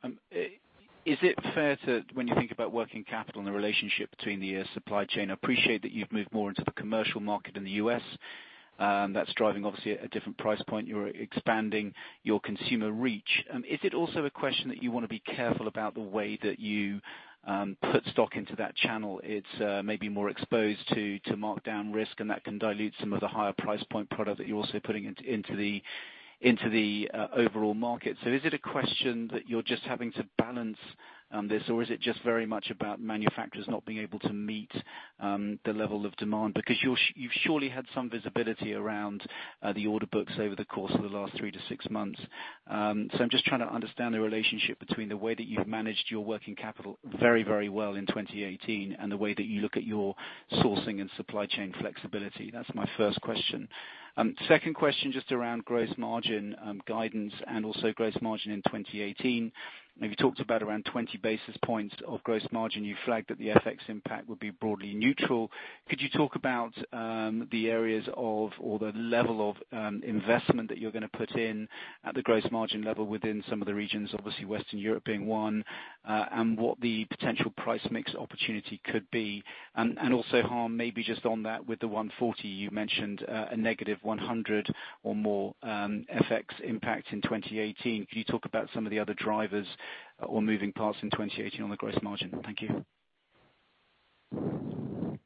Is it fair to, when you think about working capital and the relationship between the supply chain, I appreciate that you've moved more into the commercial market in the U.S., that's driving obviously at a different price point. You're expanding your consumer reach. Is it also a question that you want to be careful about the way that you put stock into that channel? It's maybe more exposed to markdown risk, and that can dilute some of the higher price point product that you're also putting into the overall market. Is it a question that you're just having to balance on this, or is it just very much about manufacturers not being able to meet the level of demand? Because you've surely had some visibility around the order books over the course of the last three to six months. I'm just trying to understand the relationship between the way that you've managed your working capital very well in 2018, and the way that you look at your sourcing and supply chain flexibility. That's my first question. Second question, just around gross margin guidance and also gross margin in 2018. You talked about around 20 basis points of gross margin. You flagged that the FX impact would be broadly neutral. Could you talk about the areas of, or the level of investment that you're going to put in at the gross margin level within some of the regions, obviously Western Europe being one, and what the potential price mix opportunity could be? Also, Harm, maybe just on that with the 140, you mentioned a negative 100 or more FX impact in 2018. Could you talk about some of the other drivers or moving parts in 2018 on the gross margin? Thank you.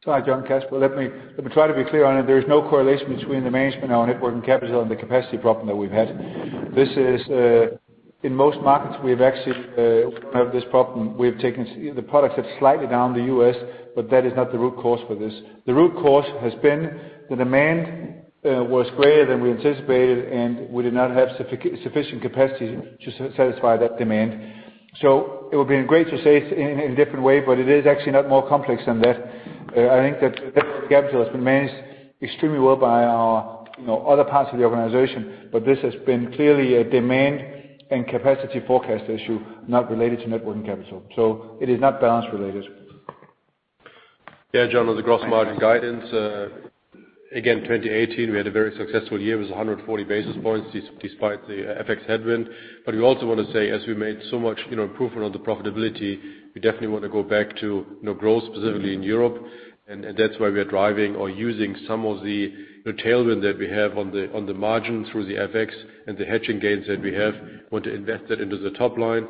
Hi, John Kasper. Let me try to be clear on it. There is no correlation between the management of our net working capital and the capacity problem that we've had. In most markets we've actually have this problem. The products have slightly down the U.S., but that is not the root cause for this. The root cause has been the demand was greater than we anticipated, and we did not have sufficient capacity to satisfy that demand. It would have been great to say it in a different way, but it is actually not more complex than that. I think that capital has been managed extremely well by our other parts of the organization, but this has been clearly a demand and capacity forecast issue, not related to net working capital. It is not balance related. Yeah, John, on the gross margin guidance. Again, 2018, we had a very successful year. It was 140 basis points despite the FX headwind. We also want to say, as we made so much improvement on the profitability, we definitely want to go back to growth, specifically in Europe. That's why we are driving or using some of the tailwind that we have on the margins through the FX and the hedging gains that we have, we want to invest that into the top line.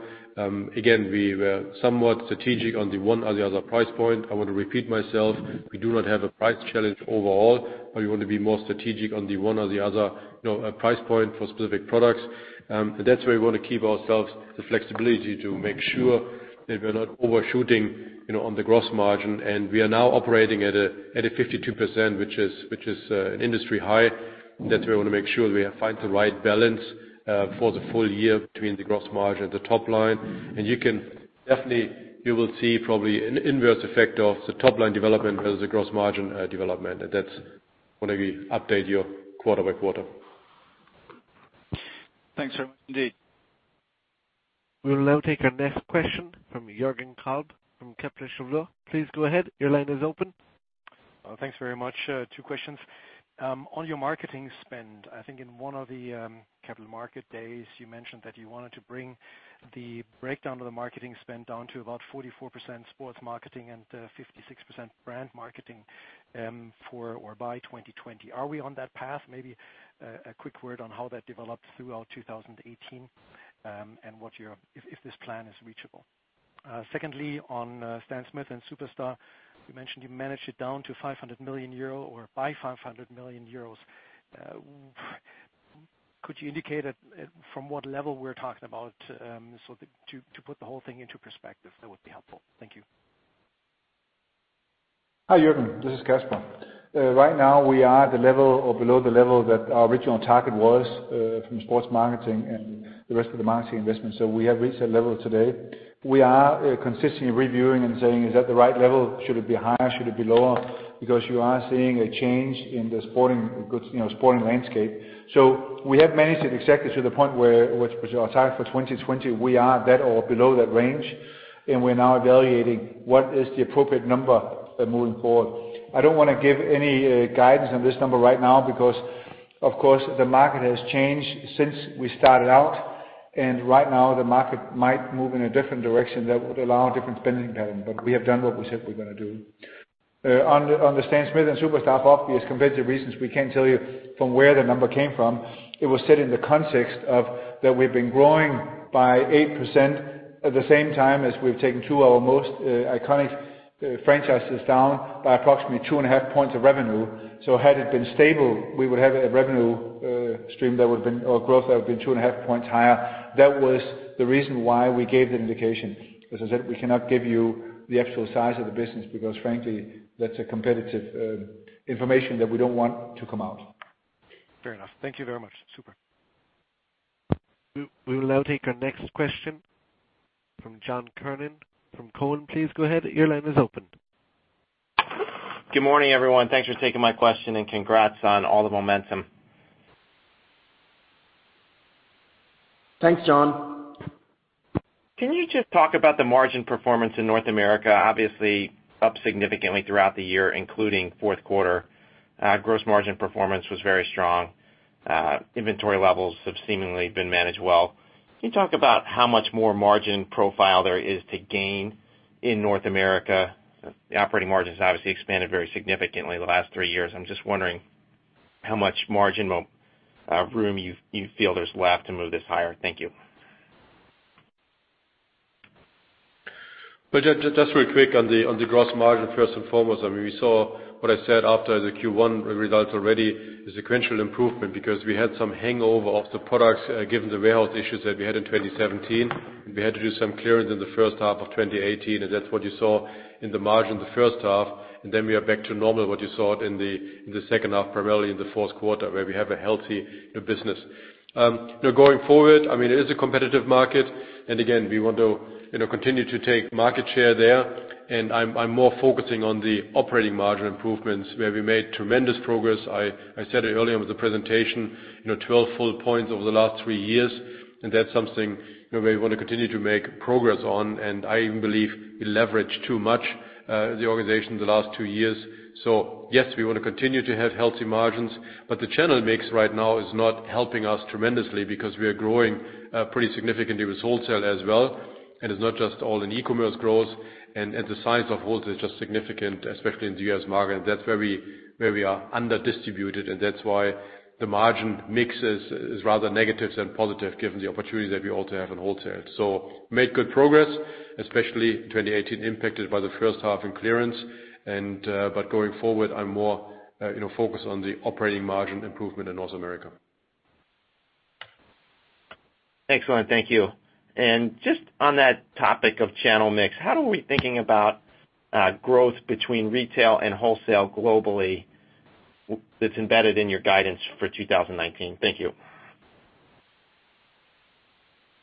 Again, we were somewhat strategic on the one or the other price point. I want to repeat myself, we do not have a price challenge overall, but we want to be more strategic on the one or the other price point for specific products. That's where we want to keep ourselves the flexibility to make sure that we're not overshooting on the gross margin. We are now operating at a 52%, which is an industry high, that we want to make sure we find the right balance for the full year between the gross margin and the top line. You will see probably an inverse effect of the top-line development versus the gross margin development. That's what I will update you quarter by quarter. Thanks very much indeed. We will now take our next question from Jürgen Kolb from Kepler Cheuvreux. Please go ahead. Your line is open. Thanks very much. Two questions. On your marketing spend, I think in one of the capital market days, you mentioned that you wanted to bring the breakdown of the marketing spend down to about 44% sports marketing and 56% brand marketing for or by 2020. Are we on that path? Maybe a quick word on how that developed throughout 2018, and if this plan is reachable. Secondly, on Stan Smith and Superstar, you mentioned you managed it down to 500 million euro or by 500 million euros. Could you indicate from what level we're talking about? To put the whole thing into perspective, that would be helpful. Thank you. Hi, Jürgen. This is Kasper. Right now, we are at the level or below the level that our original target was, from sports marketing and the rest of the marketing investment. We have reached that level today. We are consistently reviewing and saying, is that the right level? Should it be higher? Should it be lower? Because you are seeing a change in the sporting landscape. We have managed it exactly to the point where our target for 2020, we are that or below that range, and we're now evaluating what is the appropriate number moving forward. I don't want to give any guidance on this number right now because, of course, the market has changed since we started out, and right now, the market might move in a different direction that would allow a different spending pattern. We have done what we said we're going to do. On the Stan Smith and Superstar, obvious competitive reasons, we can't tell you from where the number came from. It was set in the context of that we've been growing by 8% at the same time as we've taken two of our most iconic franchises down by approximately two and a half points of revenue. Had it been stable, we would have a revenue stream or growth that would have been two and a half points higher. That was the reason why we gave the indication. As I said, we cannot give you the actual size of the business because frankly, that's a competitive information that we don't want to come out. Fair enough. Thank you very much. Super. We will now take our next question from John Kernan from Cowen. Please go ahead. Your line is open. Good morning, everyone. Thanks for taking my question, and congrats on all the momentum. Thanks, John. Can you just talk about the margin performance in North America? Obviously up significantly throughout the year, including fourth quarter. Gross margin performance was very strong. Inventory levels have seemingly been managed well. Can you talk about how much more margin profile there is to gain in North America? The operating margins obviously expanded very significantly the last three years. I'm just wondering how much margin room you feel there's left to move this higher. Thank you. Just real quick on the gross margin, first and foremost, we saw what I said after the Q1 results already, the sequential improvement, because we had some hangover of the products given the warehouse issues that we had in 2017. We had to do some clearance in the first half of 2018, that's what you saw in the margin the first half, then we are back to normal, what you saw in the second half, primarily in the fourth quarter where we have a healthy business. Going forward, it is a competitive market again, we want to continue to take market share there I'm more focusing on the operating margin improvements where we made tremendous progress. I said it earlier with the presentation, 12 full points over the last three years, that's something we want to continue to make progress on I even believe we leveraged too much the organization the last two years. Yes, we want to continue to have healthy margins, the channel mix right now is not helping us tremendously because we are growing pretty significantly with wholesale as well, it's not just all in e-commerce growth. The size of wholesale is just significant, especially in the U.S. market, that's where we are under-distributed that's why the margin mix is rather negative than positive given the opportunities that we also have in wholesale. Made good progress, especially 2018 impacted by the first half in clearance. Going forward, I'm more focused on the operating margin improvement in North America. Excellent. Thank you. Just on that topic of channel mix, how are we thinking about growth between retail and wholesale globally that's embedded in your guidance for 2019? Thank you.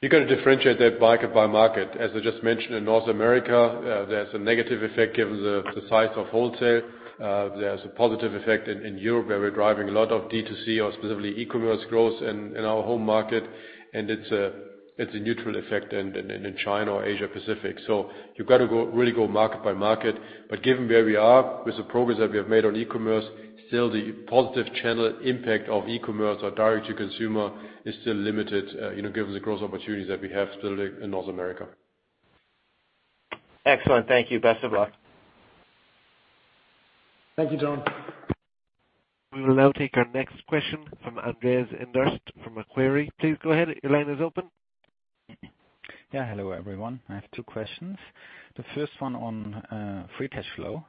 You got to differentiate that market by market. As I just mentioned in North America, there's a negative effect given the size of wholesale. There's a positive effect in Europe where we're driving a lot of D2C or specifically e-commerce growth in our home market, and it's a neutral effect in China or Asia Pacific. You've got to really go market by market. Given where we are with the progress that we have made on e-commerce, still the positive channel impact of e-commerce or direct to consumer is still limited given the growth opportunities that we have still in North America. Excellent. Thank you. Best of luck. Thank you, John. We will now take our next question from Andreas Inderst from Macquarie. Please go ahead. Your line is open. Yeah. Hello, everyone. I have two questions. The first one on free cash flow,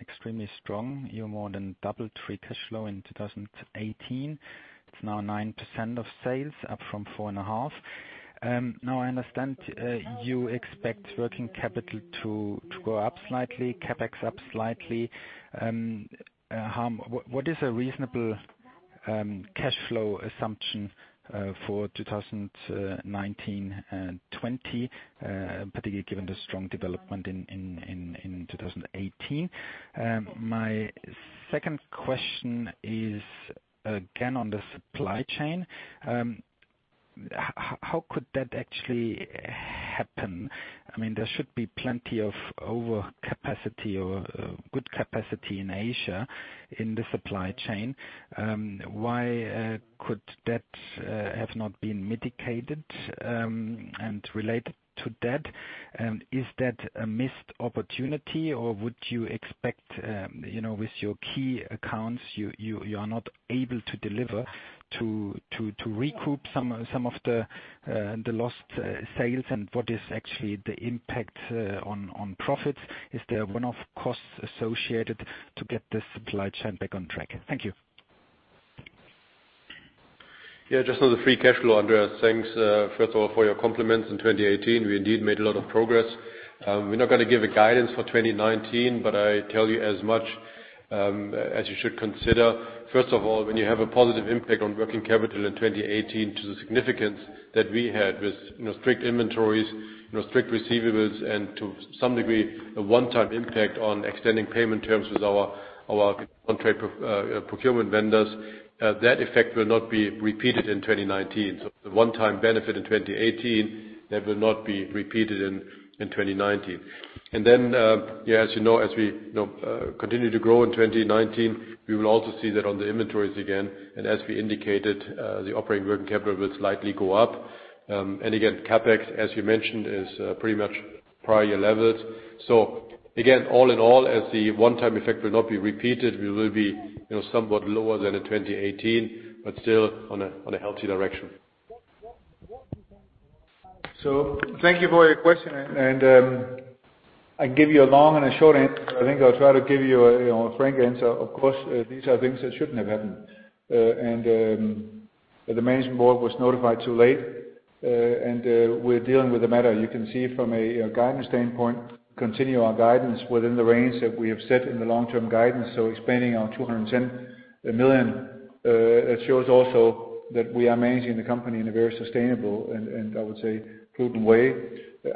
extremely strong. You more than doubled free cash flow in 2018. It's now 9% of sales, up from 4.5%. I understand you expect working capital to go up slightly, CapEx up slightly. Harm, what is a reasonable cash flow assumption for 2019 and 2020, particularly given the strong development in 2018? My second question is again on the supply chain. How could that actually happen? There should be plenty of overcapacity or good capacity in Asia in the supply chain. Why could that have not been mitigated? Related to that, is that a missed opportunity or would you expect, with your key accounts, you are not able to deliver to recoup some of the lost sales? What is actually the impact on profits? Is there a one-off cost associated to get the supply chain back on track? Thank you. Yeah, just on the free cash flow, Andreas, thanks first of all for your compliments. In 2018, we indeed made a lot of progress. We're not going to give a guidance for 2019, but I tell you as much as you should consider, first of all, when you have a positive impact on working capital in 2018 to the significance that we had with strict inventories, strict receivables, and to some degree, a one-time impact on extending payment terms with our contract procurement vendors, that effect will not be repeated in 2019. The one-time benefit in 2018, that will not be repeated in 2019. Then, as you know, as we continue to grow in 2019, we will also see that on the inventories again, as we indicated, the operating working capital will slightly go up. Again, CapEx, as you mentioned, is pretty much prior year levels. Again, all in all, as the one-time effect will not be repeated, we will be somewhat lower than in 2018, but still on a healthy direction. Thank you for your question, and I can give you a long and a short answer. I think I'll try to give you a frank answer. Of course, these are things that shouldn't have happened, and the management board was notified too late, and we're dealing with the matter. You can see from a guidance standpoint, continue our guidance within the range that we have set in the long-term guidance. Expanding our 210 million, that shows also that we are managing the company in a very sustainable and, I would say, prudent way.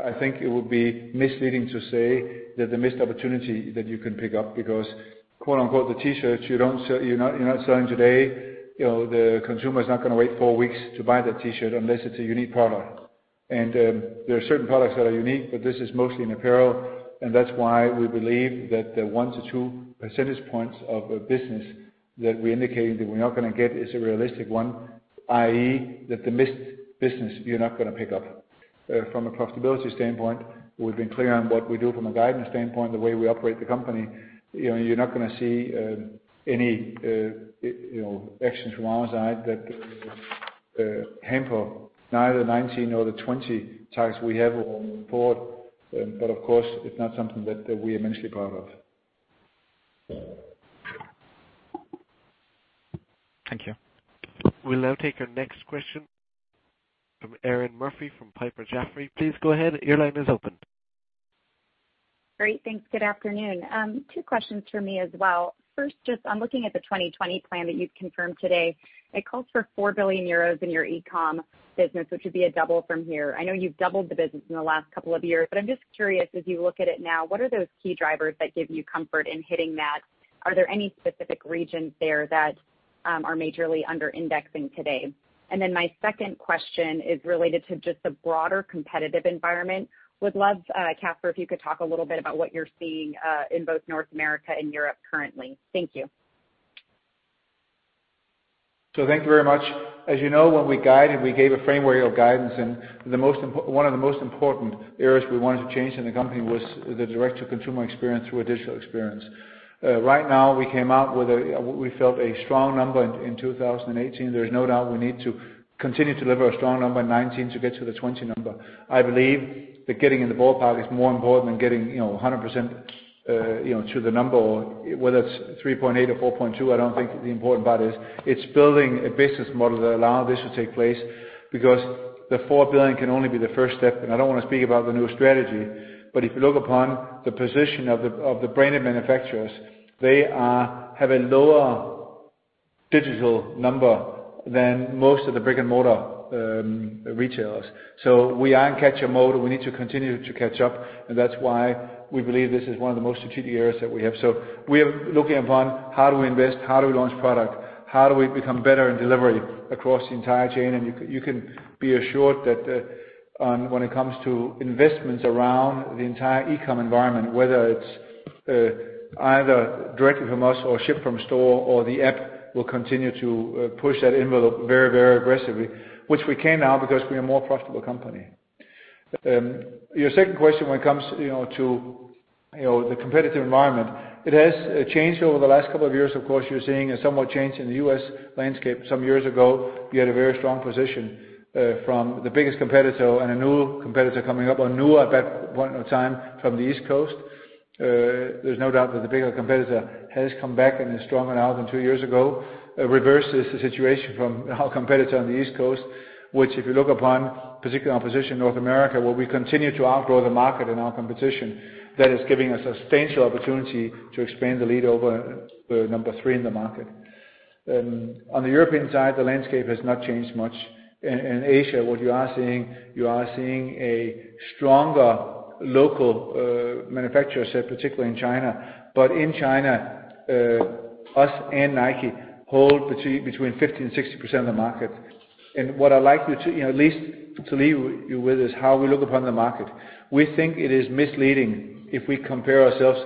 I think it would be misleading to say that the missed opportunity that you can pick up because, quote-unquote, "The T-shirts you're not selling today, the consumer is not going to wait four weeks to buy that T-shirt unless it's a unique product." There are certain products that are unique, but this is mostly in apparel, and that's why we believe that the one to two percentage points of business that we indicated that we're not going to get is a realistic one, i.e., that the missed business you're not going to pick up. From a profitability standpoint, we've been clear on what we do from a guidance standpoint, the way we operate the company. You're not going to see any actions from our side that hamper neither 2019 or the 2020 targets we have on board. Of course, it's not something that we are immensely proud of. Thank you. We'll now take our next question from Erinn Murphy from Piper Jaffray. Please go ahead. Your line is open. Great. Thanks. Good afternoon. Two questions from me as well. First, just on looking at the 2020 plan that you've confirmed today. It calls for 4 billion euros in your e-com business, which would be a double from here. I know you've doubled the business in the last couple of years, but I'm just curious, as you look at it now, what are those key drivers that give you comfort in hitting that? Are there any specific regions there that are majorly under-indexing today? My second question is related to just the broader competitive environment. Would love, Kasper, if you could talk a little bit about what you're seeing, in both North America and Europe currently. Thank you. Thank you very much. As you know, when we guided, we gave a framework of guidance, and one of the most important areas we wanted to change in the company was the direct-to-consumer experience through a digital experience. Right now, we came out with what we felt a strong number in 2018. There's no doubt we need to continue to deliver a strong number in 2019 to get to the 2020 number. I believe that getting in the ballpark is more important than getting 100% to the number, or whether it's 3.8 or 4.2, I don't think the important part is. It's building a business model that allow this to take place because the 4 billion can only be the first step. I don't want to speak about the new strategy. If you look upon the position of the branded manufacturers, they have a lower digital number than most of the brick-and-mortar retailers. We are in catch-up mode, and we need to continue to catch up, and that's why we believe this is one of the most strategic areas that we have. We are looking upon how do we invest, how do we launch product, how do we become better in delivery across the entire chain? You can be assured that when it comes to investments around the entire e-com environment, whether it's either directly from us or ship from store or the app, we'll continue to push that envelope very aggressively, which we can now because we are a more profitable company. Your second question when it comes to the competitive environment. It has changed over the last couple of years. Of course, you're seeing a somewhat change in the U.S. landscape. Some years ago, we had a very strong position from the biggest competitor and a new competitor coming up, or newer back point of time from the East Coast. There's no doubt that the bigger competitor has come back and is stronger now than two years ago. Reverse is the situation from our competitor on the East Coast, which if you look upon, particularly our position in North America, where we continue to outgrow the market and our competition. That is giving us a substantial opportunity to expand the lead over number 3 in the market. On the European side, the landscape has not changed much. In Asia, what you are seeing, you are seeing a stronger local manufacturer set, particularly in China. In China, us and Nike hold between 50% and 60% of the market. What I'd like at least to leave you with is how we look upon the market. We think it is misleading if we compare ourselves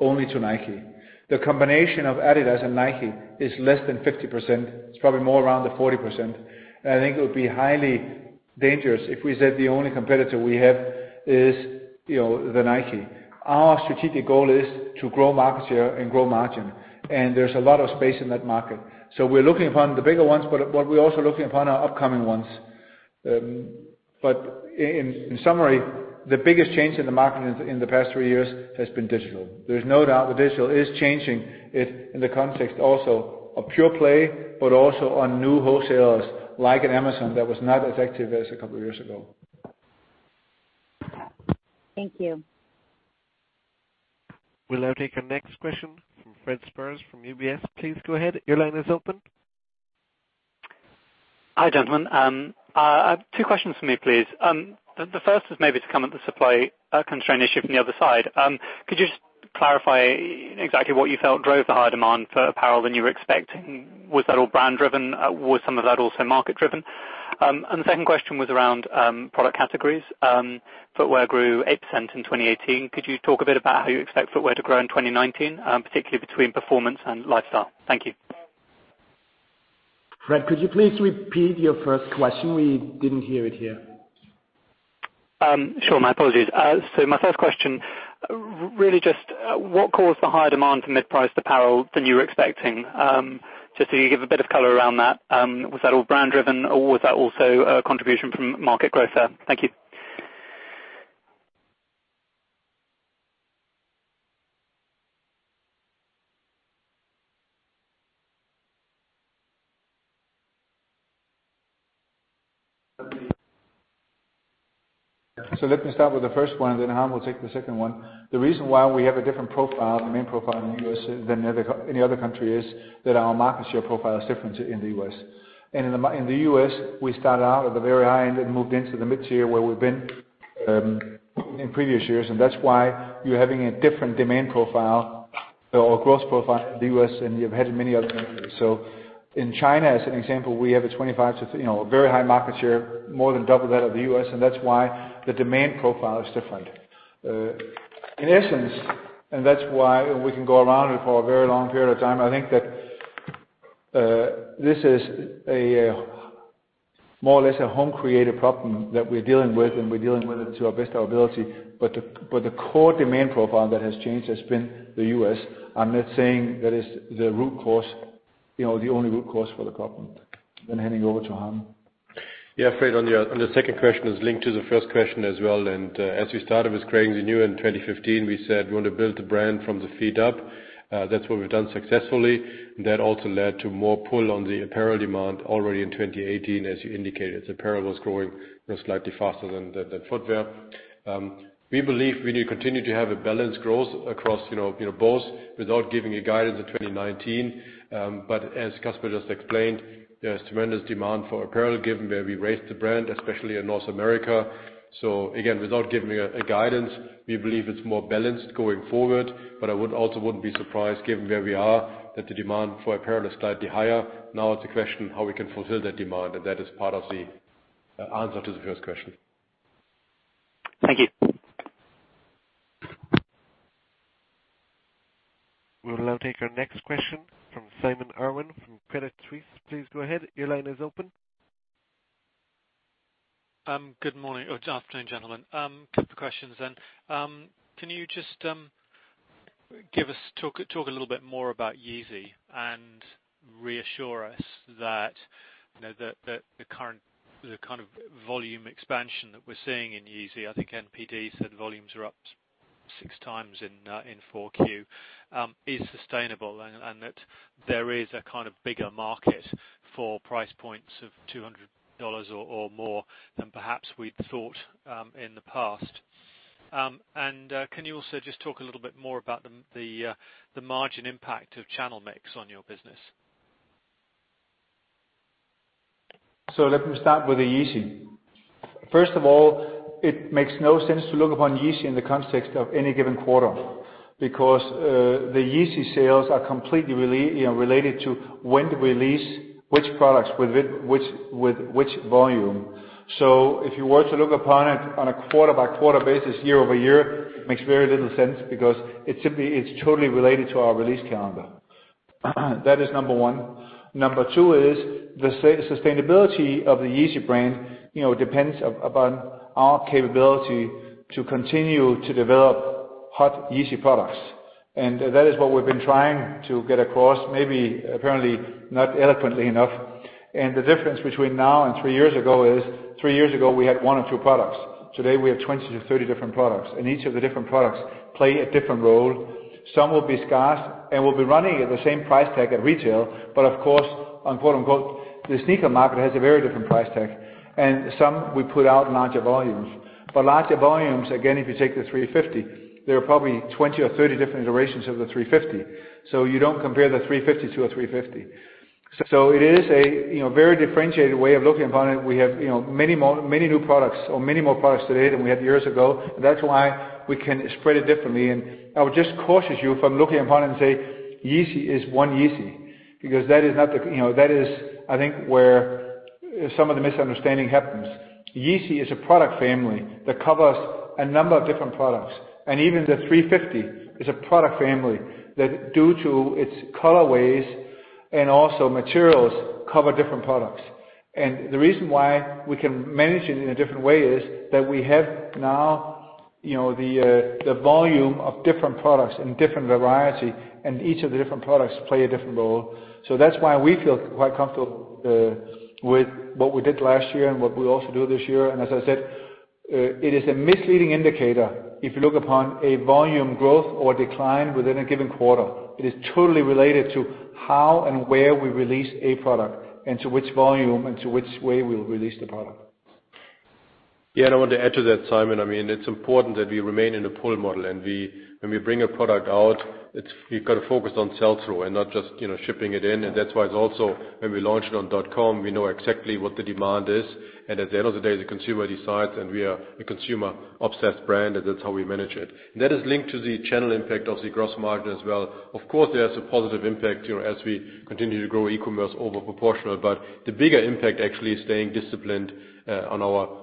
"only to Nike." The combination of adidas and Nike is less than 50%. It's probably more around the 40%. I think it would be highly dangerous if we said the only competitor we have is the Nike. Our strategic goal is to grow market share and grow margin, and there's a lot of space in that market. We're looking upon the bigger ones, but we're also looking upon our upcoming ones. In summary, the biggest change in the market in the past three years has been digital. There's no doubt that digital is changing it in the context also of pure play, but also on new wholesalers like an Amazon that was not as active as a couple of years ago. Thank you. We'll now take our next question from Fred Speirs from UBS. Please go ahead. Your line is open. Hi, gentlemen. Two questions from me, please. The first is maybe to come at the supply constraint issue from the other side. Could you just clarify exactly what you felt drove the higher demand for apparel than you were expecting? Was that all brand driven? Was some of that also market driven? The second question was around product categories. Footwear grew 8% in 2018. Could you talk a bit about how you expect footwear to grow in 2019, particularly between performance and lifestyle? Thank you. Fred, could you please repeat your first question? We didn't hear it here. Sure, my apologies. My first question, really just what caused the higher demand for mid-price apparel than you were expecting? Just so you give a bit of color around that. Was that all brand driven, or was that also a contribution from market growth there? Thank you. Let me start with the first one, then Harm will take the second one. The reason why we have a different profile, the main profile in the U.S. than any other country is that our market share profile is different in the U.S. In the U.S., we started out at the very high end and moved into the mid-tier where we've been in previous years. That's why you're having a different demand profile or growth profile in the U.S. than you've had in many other countries. In China, as an example, we have a 25 to a very high market share, more than double that of the U.S., and that's why the demand profile is different. In essence, that's why we can go around it for a very long period of time. I think that this is More or less a home-created problem that we're dealing with, and we're dealing with it to the best of our ability. The core demand profile that has changed has been the U.S. I'm not saying that is the only root cause for the problem. Handing over to Harm. Yeah, Fred, on the second question, it is linked to the first question as well. As we started with Creating the New in 2015, we said we want to build the brand from the feet up. That's what we've done successfully. That also led to more pull on the apparel demand already in 2018, as you indicated. Apparel was growing slightly faster than footwear. We believe we need to continue to have a balanced growth across both without giving a guidance in 2019. As Kasper just explained, there's tremendous demand for apparel given where we raised the brand, especially in North America. Again, without giving a guidance, we believe it's more balanced going forward. I would also wouldn't be surprised given where we are, that the demand for apparel is slightly higher. Now it's a question how we can fulfill that demand. That is part of the answer to the first question. Thank you. We'll now take our next question from Simon Irwin from Credit Suisse. Please go ahead. Your line is open. Good morning or afternoon, gentlemen. Couple questions. Can you just talk a little bit more about Yeezy and reassure us that the kind of volume expansion that we're seeing in Yeezy, I think NPD said volumes are up six times in four Q, is sustainable, and that there is a kind of bigger market for price points of EUR 200 or more than perhaps we'd thought in the past. Can you also just talk a little bit more about the margin impact of channel mix on your business? Let me start with the Yeezy. First of all, it makes no sense to look upon Yeezy in the context of any given quarter, because the Yeezy sales are completely related to when do we release which products with which volume. If you were to look upon it on a quarter by quarter basis, year over year, makes very little sense because it's totally related to our release calendar. That is number one. Number two is the sustainability of the Yeezy brand depends upon our capability to continue to develop hot Yeezy products. That is what we've been trying to get across, maybe apparently not eloquently enough. The difference between now and three years ago is, three years ago, we had one or two products. Today, we have 20-30 different products, and each of the different products play a different role. Some will be scarce and will be running at the same price tag at retail. Of course, on quote, unquote, "the sneaker market has a very different price tag." Some we put out in larger volumes. Larger volumes, again, if you take the 350, there are probably 20-30 different iterations of the 350. You don't compare the 350 to a 350. It is a very differentiated way of looking upon it. We have many new products or many more products today than we had years ago. That's why we can spread it differently. I would just caution you from looking upon it and say, Yeezy is one Yeezy, because that is, I think, where some of the misunderstanding happens. Yeezy is a product family that covers a number of different products, and even the 350 is a product family that due to its colorways and also materials, cover different products. The reason why we can manage it in a different way is that we have now the volume of different products in different variety, and each of the different products play a different role. That's why we feel quite comfortable with what we did last year and what we also do this year. As I said, it is a misleading indicator if you look upon a volume growth or decline within a given quarter. It is totally related to how and where we release a product and to which volume and to which way we'll release the product. Yeah, I want to add to that, Simon. It's important that we remain in the pull model, and when we bring a product out, we've got to focus on sell-through and not just shipping it in. That's why it's also when we launch it on .com, we know exactly what the demand is. At the end of the day, the consumer decides, and we are a consumer-obsessed brand, and that's how we manage it. That is linked to the channel impact of the gross margin as well. Of course, there's a positive impact as we continue to grow e-commerce over proportional, the bigger impact actually is staying disciplined on our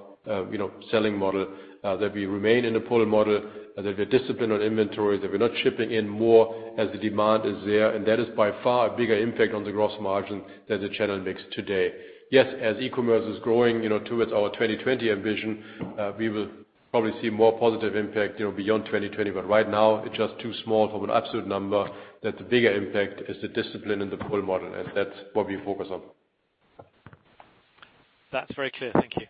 selling model, that we remain in the pull model, that we are disciplined on inventory, that we're not shipping in more as the demand is there, and that is by far a bigger impact on the gross margin than the channel mix today. Yes, as e-commerce is growing towards our 2020 ambition, we will probably see more positive impact beyond 2020. Right now, it's just too small of an absolute number that the bigger impact is the discipline in the pull model, and that's what we focus on. That's very clear. Thank you.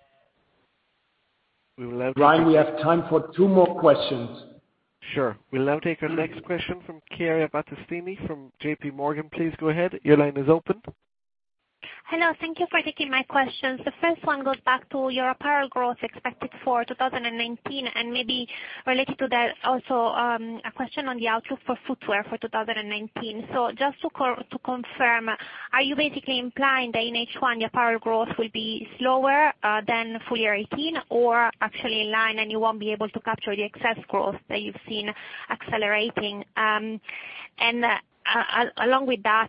We will now- Brian, we have time for two more questions. Sure. We'll now take our next question from Chiara Battistini from J.P. Morgan. Please go ahead. Your line is open. Hello. Thank you for taking my questions. The first one goes back to your apparel growth expected for 2019, and maybe related to that also, a question on the outlook for footwear for 2019. Just to confirm, are you basically implying that in H1, your apparel growth will be slower than full year 2018 or actually in line and you won't be able to capture the excess growth that you've seen accelerating? Along with that,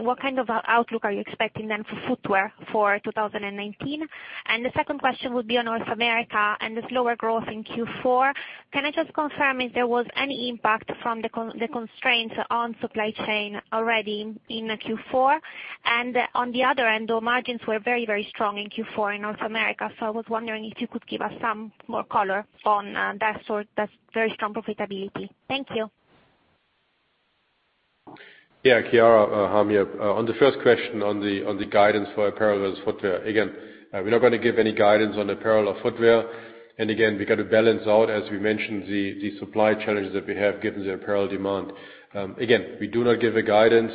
what kind of outlook are you expecting then for footwear for 2019? The second question would be on North America and the slower growth in Q4. Can I just confirm if there was any impact from the constraints on supply chain already in the Q4? On the other end, the margins were very, very strong in Q4 in North America. I was wondering if you could give us some more color on that very strong profitability. Thank you. Yeah, Chiara, Harm here. On the first question on the guidance for apparel and footwear. Again, we're not going to give any guidance on apparel or footwear. Again, we got to balance out, as we mentioned, the supply challenges that we have given the apparel demand. Again, we do not give a guidance.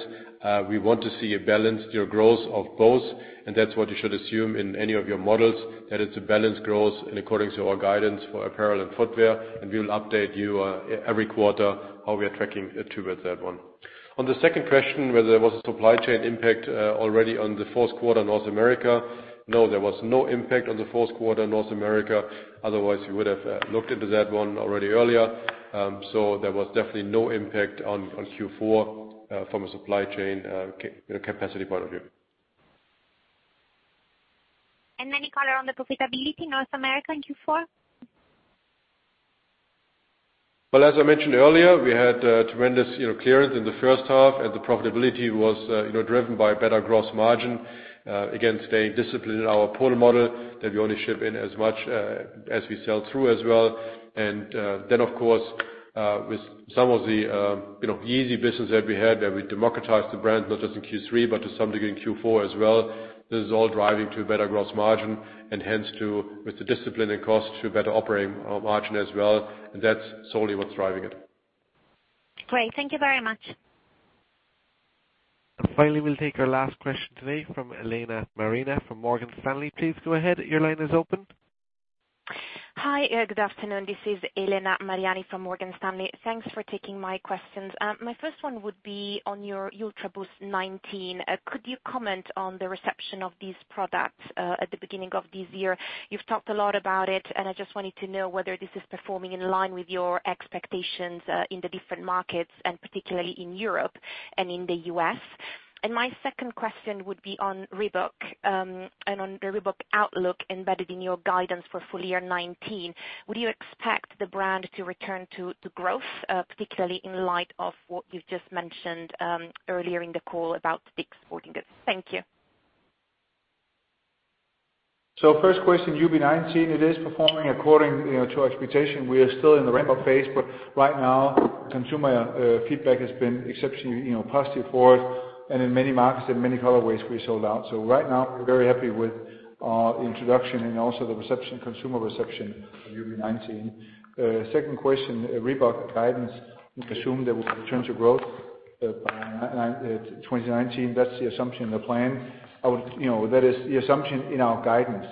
We want to see a balanced year growth of both, and that's what you should assume in any of your models, that it's a balanced growth in accordance to our guidance for apparel and footwear. We'll update you every quarter how we are tracking towards that one. On the second question, whether there was a supply chain impact already on the fourth quarter in North America. No, there was no impact on the fourth quarter in North America, otherwise we would have looked into that one already earlier. There was definitely no impact on Q4 from a supply chain capacity point of view. Any color on the profitability in North America in Q4? Well, as I mentioned earlier, we had a tremendous clearance in the first half and the profitability was driven by a better gross margin. Again, staying disciplined in our pull model that we only ship in as much as we sell through as well. Of course, with some of the Yeezy business that we had that we democratized the brand, not just in Q3, but to some degree in Q4 as well. This is all driving to a better gross margin and hence with the discipline in cost to better operating margin as well. That's solely what's driving it. Great. Thank you very much. Finally, we'll take our last question today from Elena Mariani from Morgan Stanley. Please go ahead. Your line is open. Hi, good afternoon. This is Elena Mariani from Morgan Stanley. Thanks for taking my questions. My first one would be on your Ultraboost '19. Could you comment on the reception of these products at the beginning of this year? You've talked a lot about it, and I just wanted to know whether this is performing in line with your expectations in the different markets and particularly in Europe and in the U.S. My second question would be on Reebok, on the Reebok outlook embedded in your guidance for full year 2019. Would you expect the brand to return to growth, particularly in light of what you've just mentioned earlier in the call about exporting it? Thank you. First question, UB19, it is performing according to our expectation. We are still in the ramp-up phase, but right now consumer feedback has been exceptionally positive for it. In many markets, in many colorways, we sold out. Right now, we're very happy with our introduction and also the consumer reception of UB19. Second question, Reebok guidance, we assume they will return to growth by 2019. That's the assumption, the plan. That is the assumption in our guidance.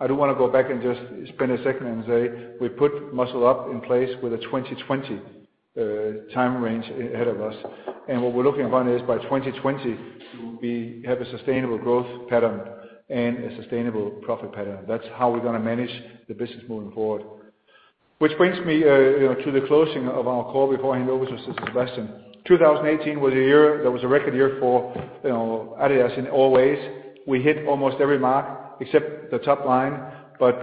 I do want to go back and just spend a second and say we put Muscle Up in place with a 2020 time range ahead of us. What we're looking upon is by 2020, to have a sustainable growth pattern and a sustainable profit pattern. That's how we're going to manage the business moving forward. Which brings me to the closing of our call before I hand over to Sebastian. 2018 was a year that was a record year for adidas in all ways. We hit almost every mark except the top line, but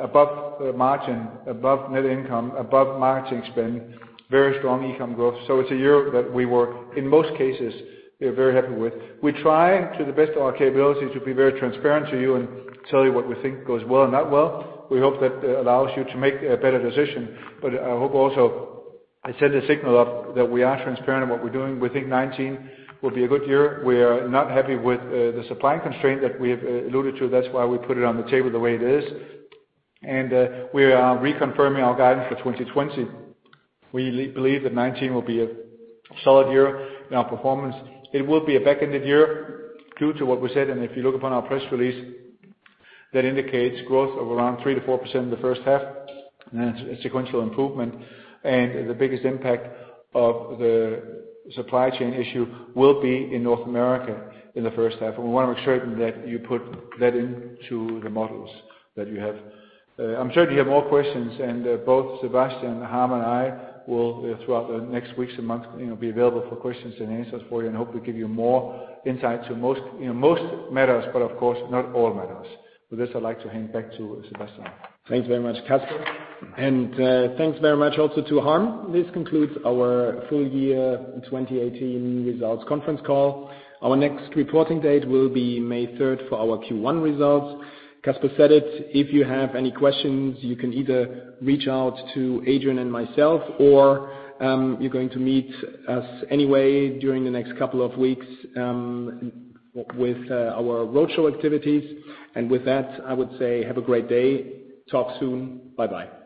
above margin, above net income, above marketing spend, very strong e-com growth. It's a year that we were, in most cases, very happy with. We try to the best of our capability to be very transparent to you and tell you what we think goes well and not well. We hope that allows you to make a better decision. I hope also I set a signal up that we are transparent in what we're doing. We think 2019 will be a good year. We are not happy with the supply constraint that we have alluded to. That's why we put it on the table the way it is. We are reconfirming our guidance for 2020. We believe that 2019 will be a solid year in our performance. It will be a back-ended year due to what we said, if you look upon our press release, that indicates growth of around 3%-4% in the first half, a sequential improvement. The biggest impact of the supply chain issue will be in North America in the first half. We want to make certain that you put that into the models that you have. I'm sure you have more questions, Sebastian, Harm, and I will, throughout the next weeks and months, be available for questions and answers for you, hope we give you more insight to most matters, but of course, not all matters. With this, I'd like to hand back to Sebastian. Thanks very much, Kasper. Thanks very much also to Harm. This concludes our full year 2018 results conference call. Our next reporting date will be May 3rd for our Q1 results. Kasper said it, if you have any questions, you can either reach out to Adrian and myself, or you're going to meet us anyway during the next couple of weeks with our roadshow activities. With that, I would say have a great day. Talk soon. Bye-bye.